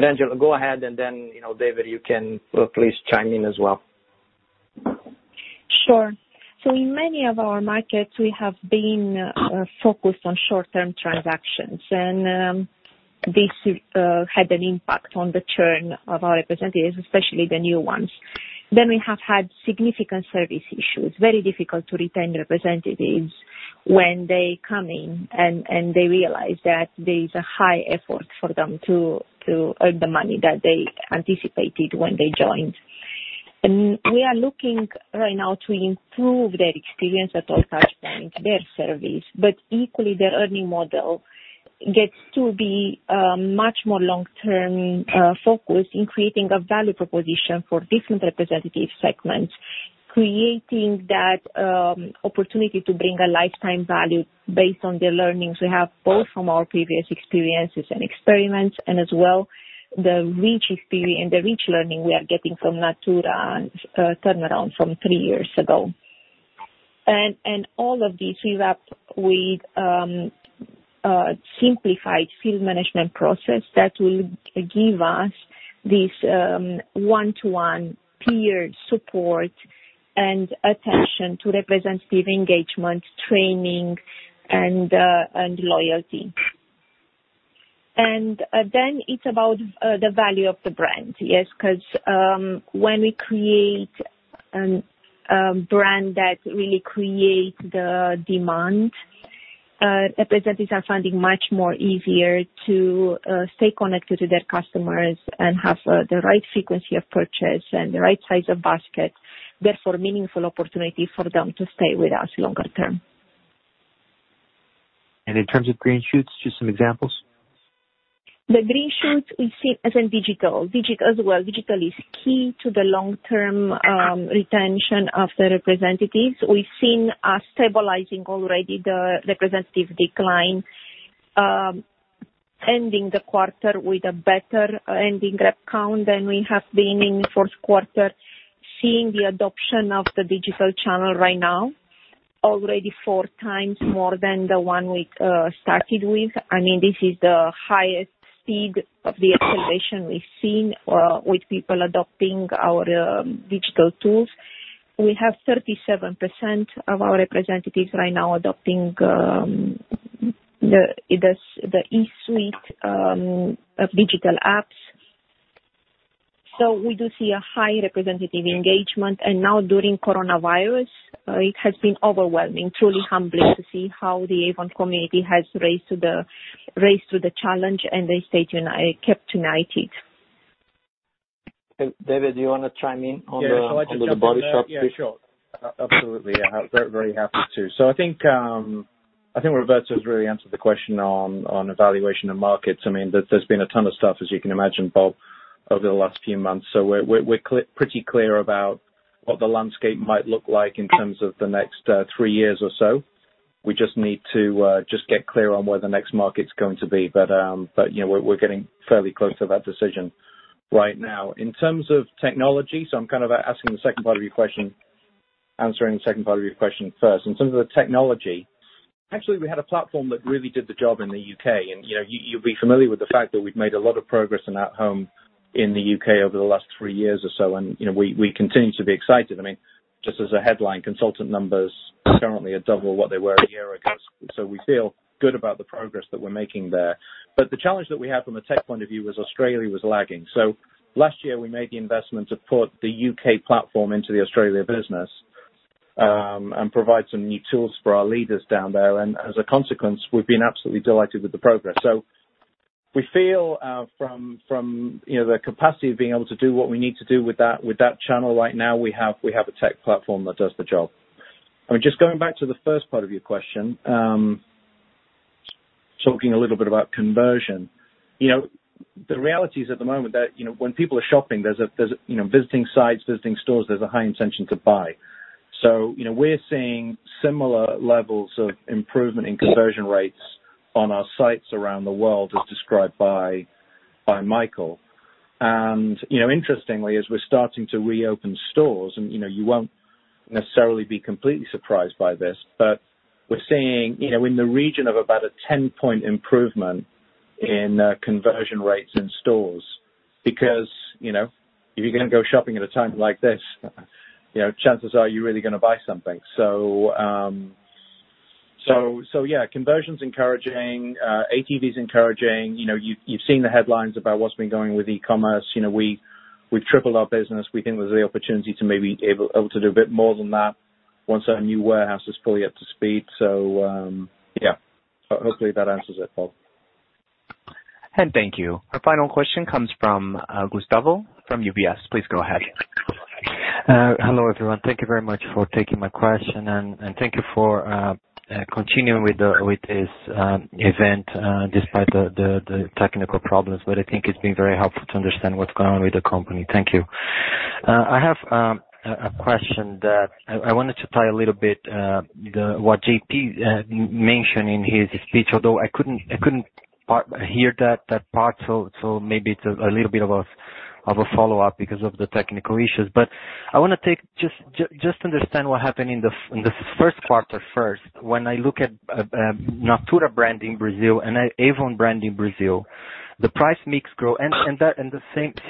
Angela, go ahead, and then, David, you can please chime in as well. Sure. In many of our markets, we have been focused on short-term transactions, and this had an impact on the churn of our representatives, especially the new ones. We have had significant service issues. Very difficult to retain representatives when they come in, and they realize that there is a high effort for them to earn the money that they anticipated when they joined. We are looking right now to improve their experience at all touch points, their service, but equally, their earning model gets to be much more long-term focused in creating a value proposition for different representative segments. Creating that opportunity to bring a lifetime value based on the learnings we have, both from our previous experiences and experiments, and as well, the rich experience and the rich learning we are getting from Natura and turnaround from three years ago. All of this we wrap with a simplified field management process that will give us this one-to-one peer support and attention to representative engagement, training, and loyalty. Then it's about the value of the brand. When we create a brand that really creates the demand, representatives are finding much more easier to stay connected to their customers and have the right frequency of purchase and the right size of basket, therefore, meaningful opportunity for them to stay with us longer term. In terms of green shoots, just some examples? The green shoots we've seen as in digital. Digital is key to the long-term retention of the representatives. We've seen a stabilizing already the representative decline, ending the quarter with a better ending rep count than we have been in the first quarter. Seeing the adoption of the digital channel right now, already 4 times more than the one we started with. This is the highest speed of the acceleration we've seen with people adopting our digital tools. We have 37% of our representatives right now adopting the e-suite of digital apps. We do see a high representative engagement. Now during coronavirus, it has been overwhelming, truly humbling to see how the Avon community has raised to the challenge, and they stayed united, kept united. David, do you want to chime in- Yeah. I'll just jump in there. ...on The Body Shop piece? Yeah, sure. Absolutely. Very happy to. I think Roberto's really answered the question on evaluation of markets. There's been a ton of stuff, as you can imagine, Bob, over the last few months. We're pretty clear about what the landscape might look like in terms of the next three years or so. We just need to get clear on where the next market's going to be. We're getting fairly close to that decision right now. In terms of technology, so I'm kind of answering the second part of your question first. In terms of the technology, actually, we had a platform that really did the job in the U.K. You'll be familiar with the fact that we've made a lot of progress in At Home in the U.K. over the last three years or so, and we continue to be excited. Just as a headline, consultant numbers are currently at double what they were a year ago. We feel good about the progress that we're making there. The challenge that we had from a tech point of view was Australia was lagging. Last year, we made the investment to put the U.K. platform into the Australia business, and provide some new tools for our leaders down there. As a consequence, we've been absolutely delighted with the progress. We feel from the capacity of being able to do what we need to do with that channel right now, we have a tech platform that does the job. Just going back to the first part of your question, talking a little bit about conversion. The reality is at the moment that when people are shopping, visiting sites, visiting stores, there's a high intention to buy. We're seeing similar levels of improvement in conversion rates on our sites around the world, as described by Michael. Interestingly, as we're starting to reopen stores, and you won't necessarily be completely surprised by this, but we're seeing in the region of about a 10-point improvement in conversion rates in stores. Because if you're going to go shopping at a time like this, chances are you're really going to buy something. Conversion's encouraging. ATV's encouraging. You've seen the headlines about what's been going with e-commerce. We've tripled our business. We think there's the opportunity to maybe able to do a bit more than that once our new warehouse is fully up to speed. Hopefully, that answers it, Bob. Thank you. Our final question comes from Gustavo from UBS. Please go ahead. Hello, everyone. Thank you very much for taking my question, and thank you for continuing with this event despite the technical problems. I think it's been very helpful to understand what's going on with the company. Thank you. I have a question that I wanted to tie a little bit what JP mentioned in his speech, although I couldn't hear that part, so maybe it's a little bit of a follow-up because of the technical issues. I want to just understand what happened in the first quarter first. When I look at Natura brand in Brazil and Avon brand in Brazil, the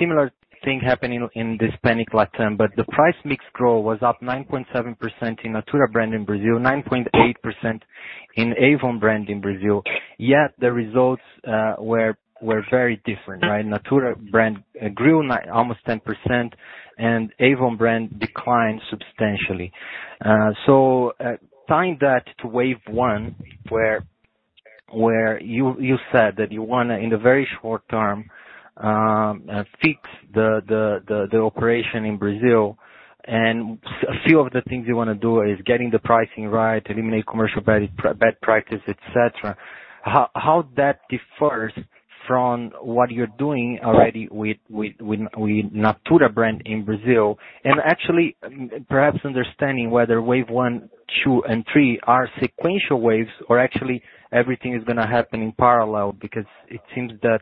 similar thing happened in the Hispanic LatAm, but the price mix growth was up 9.7% in Natura brand in Brazil, 9.8% in Avon brand in Brazil yet the results were very different, right? Natura brand grew almost 10%, and Avon brand declined substantially. Tying that to Wave 1, where you said that you want to, in the very short term, fix the operation in Brazil, and a few of the things you want to do is getting the pricing right, eliminate commercial bad practice, etc. How that differs from what you're doing already with Natura brand in Brazil, and actually perhaps understanding whether Wave 1, 2, and 3 are sequential waves or actually everything is going to happen in parallel because it seems that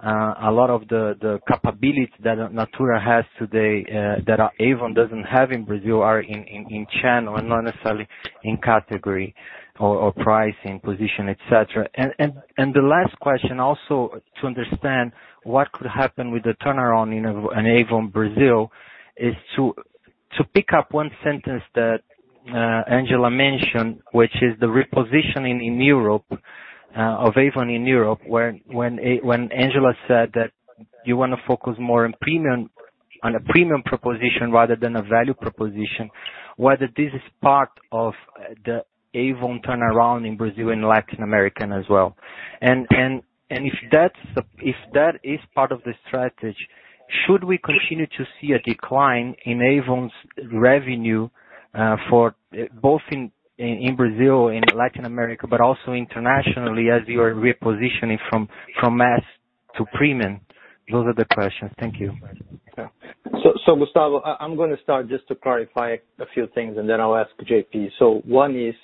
a lot of the capability that Natura has today, that Avon doesn't have in Brazil, are in channel and not necessarily in category or pricing position, etc. The last question also to understand what could happen with the turnaround in Avon Brazil is to pick up one sentence that Angela mentioned, which is the repositioning of Avon in Europe, when Angela said that you want to focus more on a premium proposition rather than a value proposition. Whether this is part of the Avon turnaround in Brazil and Latin America as well. If that is part of the strategy, should we continue to see a decline in Avon's revenue for both in Brazil and Latin America, but also internationally as you are repositioning from mass to premium? Those are the questions. Thank you. Gustavo, I'm going to start just to clarify a few things, and then I'll ask JP. One is,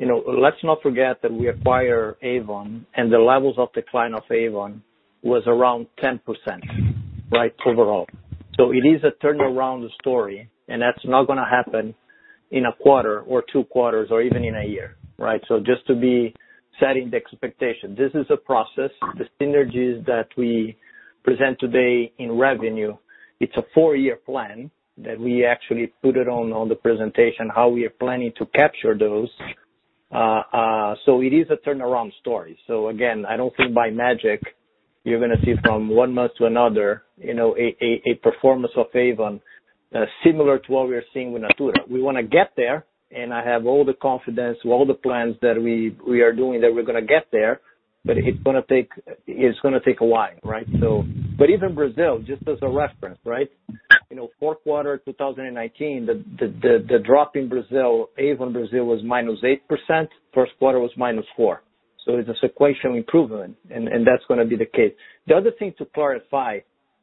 let's not forget that we acquire Avon and the levels of decline of Avon was around 10%, right, overall. It is a turnaround story, and that's not going to happen in a quarter or two quarters or even in a year, right? Just to be setting the expectation. This is a process, the synergies that we present today in revenue, it's a four-year plan that we actually put it on the presentation, how we are planning to capture those. It is a turnaround story. Again, I don't think by magic, you're going to see from one month to another, a performance of Avon, similar to what we're seeing with Natura. We want to get there, I have all the confidence, all the plans that we are doing that we're going to get there, it's going to take a while, right? Even Brazil, just as a reference, right? Fourth quarter 2019, the drop in Avon Brazil was -8%, first quarter was -4%. It is a sequential improvement, that's going to be the case. The other thing to clarify,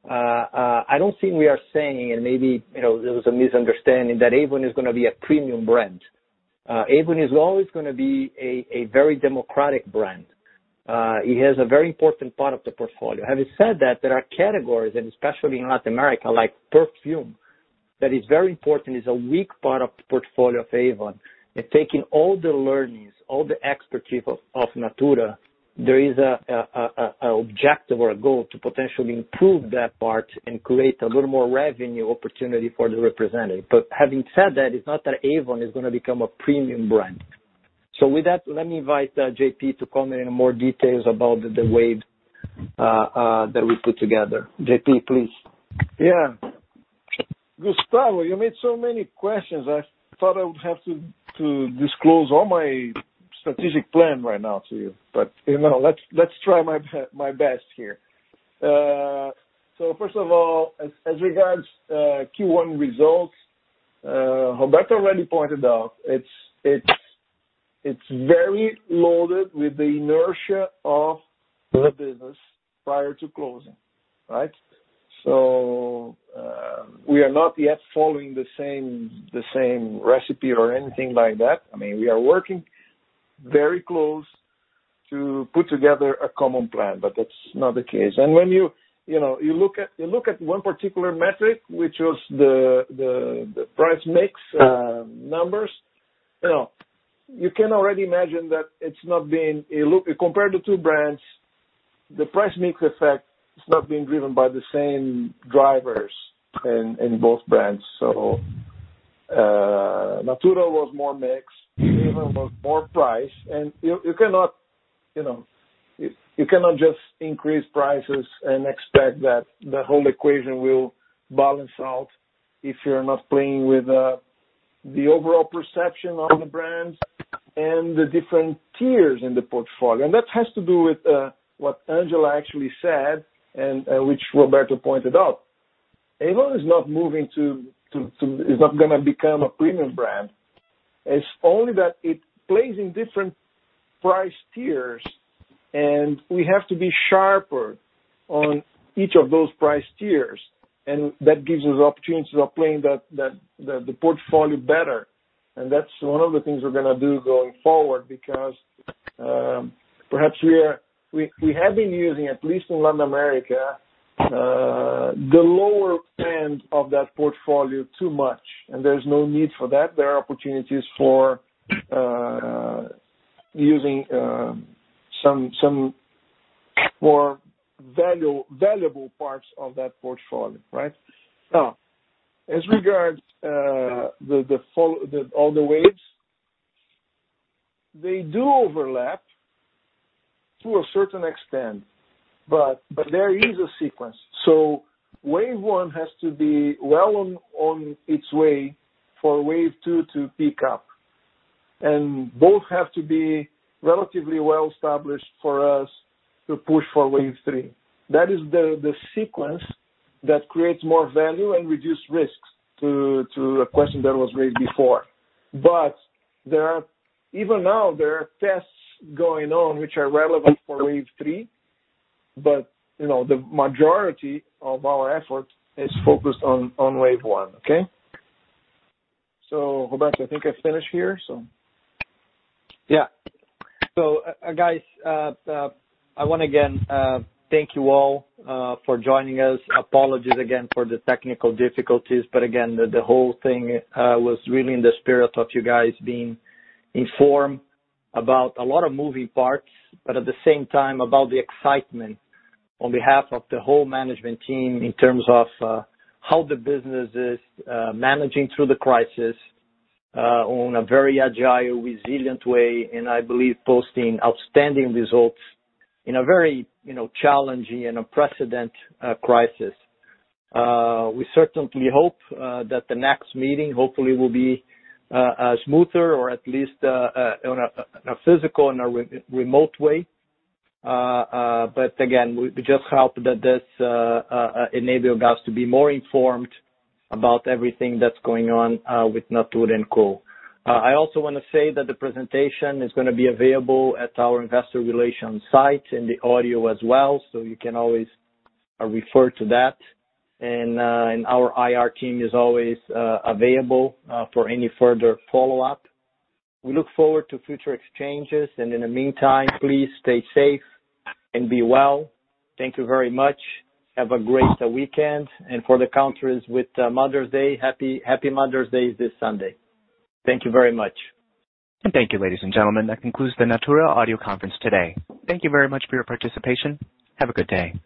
I don't think we are saying, maybe there was a misunderstanding, that Avon is going to be a premium brand. Avon is always going to be a very democratic brand. It has a very important part of the portfolio. Having said that, there are categories, especially in Latin America, like perfume, that is very important, is a weak part of the portfolio of Avon. Taking all the learnings, all the expertise of Natura, there is an objective or a goal to potentially improve that part and create a little more revenue opportunity for the representative. Having said that, it's not that Avon is going to become a premium brand. With that, let me invite JP to comment in more details about the wave that we put together. JP, please. Yeah, Gustavo, you made so many questions. I thought I would have to disclose all my strategic plan right now to you. Let's try my best here. First of all, as regards Q1 results, Roberto already pointed out. It's very loaded with the inertia of the business prior to closing, right? We are not yet following the same recipe or anything like that. I mean, we are working very close to put together a common plan, that's not the case. When you look at one particular metric, which was the price mix numbers. You can already imagine that compared the two brands, the price mix effect is not being driven by the same drivers in both brands. Natura was more mix, Avon was more price. You cannot just increase prices and expect that the whole equation will balance out if you're not playing with the overall perception of the brands and the different tiers in the portfolio. That has to do with what Angela actually said, and which Roberto pointed out. Avon is not going to become a premium brand. It's only that it plays in different price tiers, and we have to be sharper on each of those price tiers, and that gives us opportunities of playing the portfolio better, and that's one of the things we're going to do going forward because, perhaps we have been using, at least in Latin America, the lower end of that portfolio too much, and there's no need for that. There are opportunities for using some more valuable parts of that portfolio, right? As regards all the waves, they do overlap to a certain extent, but there is a sequence. Wave 1 has to be well on its way for Wave 2 to pick up. Both have to be relatively well-established for us to push for Wave 3. That is the sequence that creates more value and reduce risks to a question that was raised before. Even now, there are tests going on which are relevant for Wave 3 but the majority of our effort is focused on Wave 1, okay? Roberto, I think I finished here. Guys, I want to, again, thank you all for joining us. Apologies again for the technical difficulties. Again, the whole thing was really in the spirit of you guys being informed about a lot of moving parts, but at the same time about the excitement on behalf of the whole management team in terms of how the business is managing through the crisis on a very agile, resilient way. I believe posting outstanding results in a very challenging and unprecedented crisis. We certainly hope that the next meeting hopefully will be smoother or at least in a physical and a remote way. Again, we just hope that this enabled us to be more informed about everything that's going on with Natura &Co. I also want to say that the presentation is going to be available at our investor relations site and the audio as well. You can always refer to that. Our IR team is always available for any further follow-up. We look forward to future exchanges. In the meantime, please stay safe and be well. Thank you very much. Have a great weekend. For the countries with Mother's Day, happy Mother's Day this Sunday. Thank you very much. Thank you, ladies and gentlemen. That concludes the Natura audio conference today. Thank you very much for your participation. Have a good day.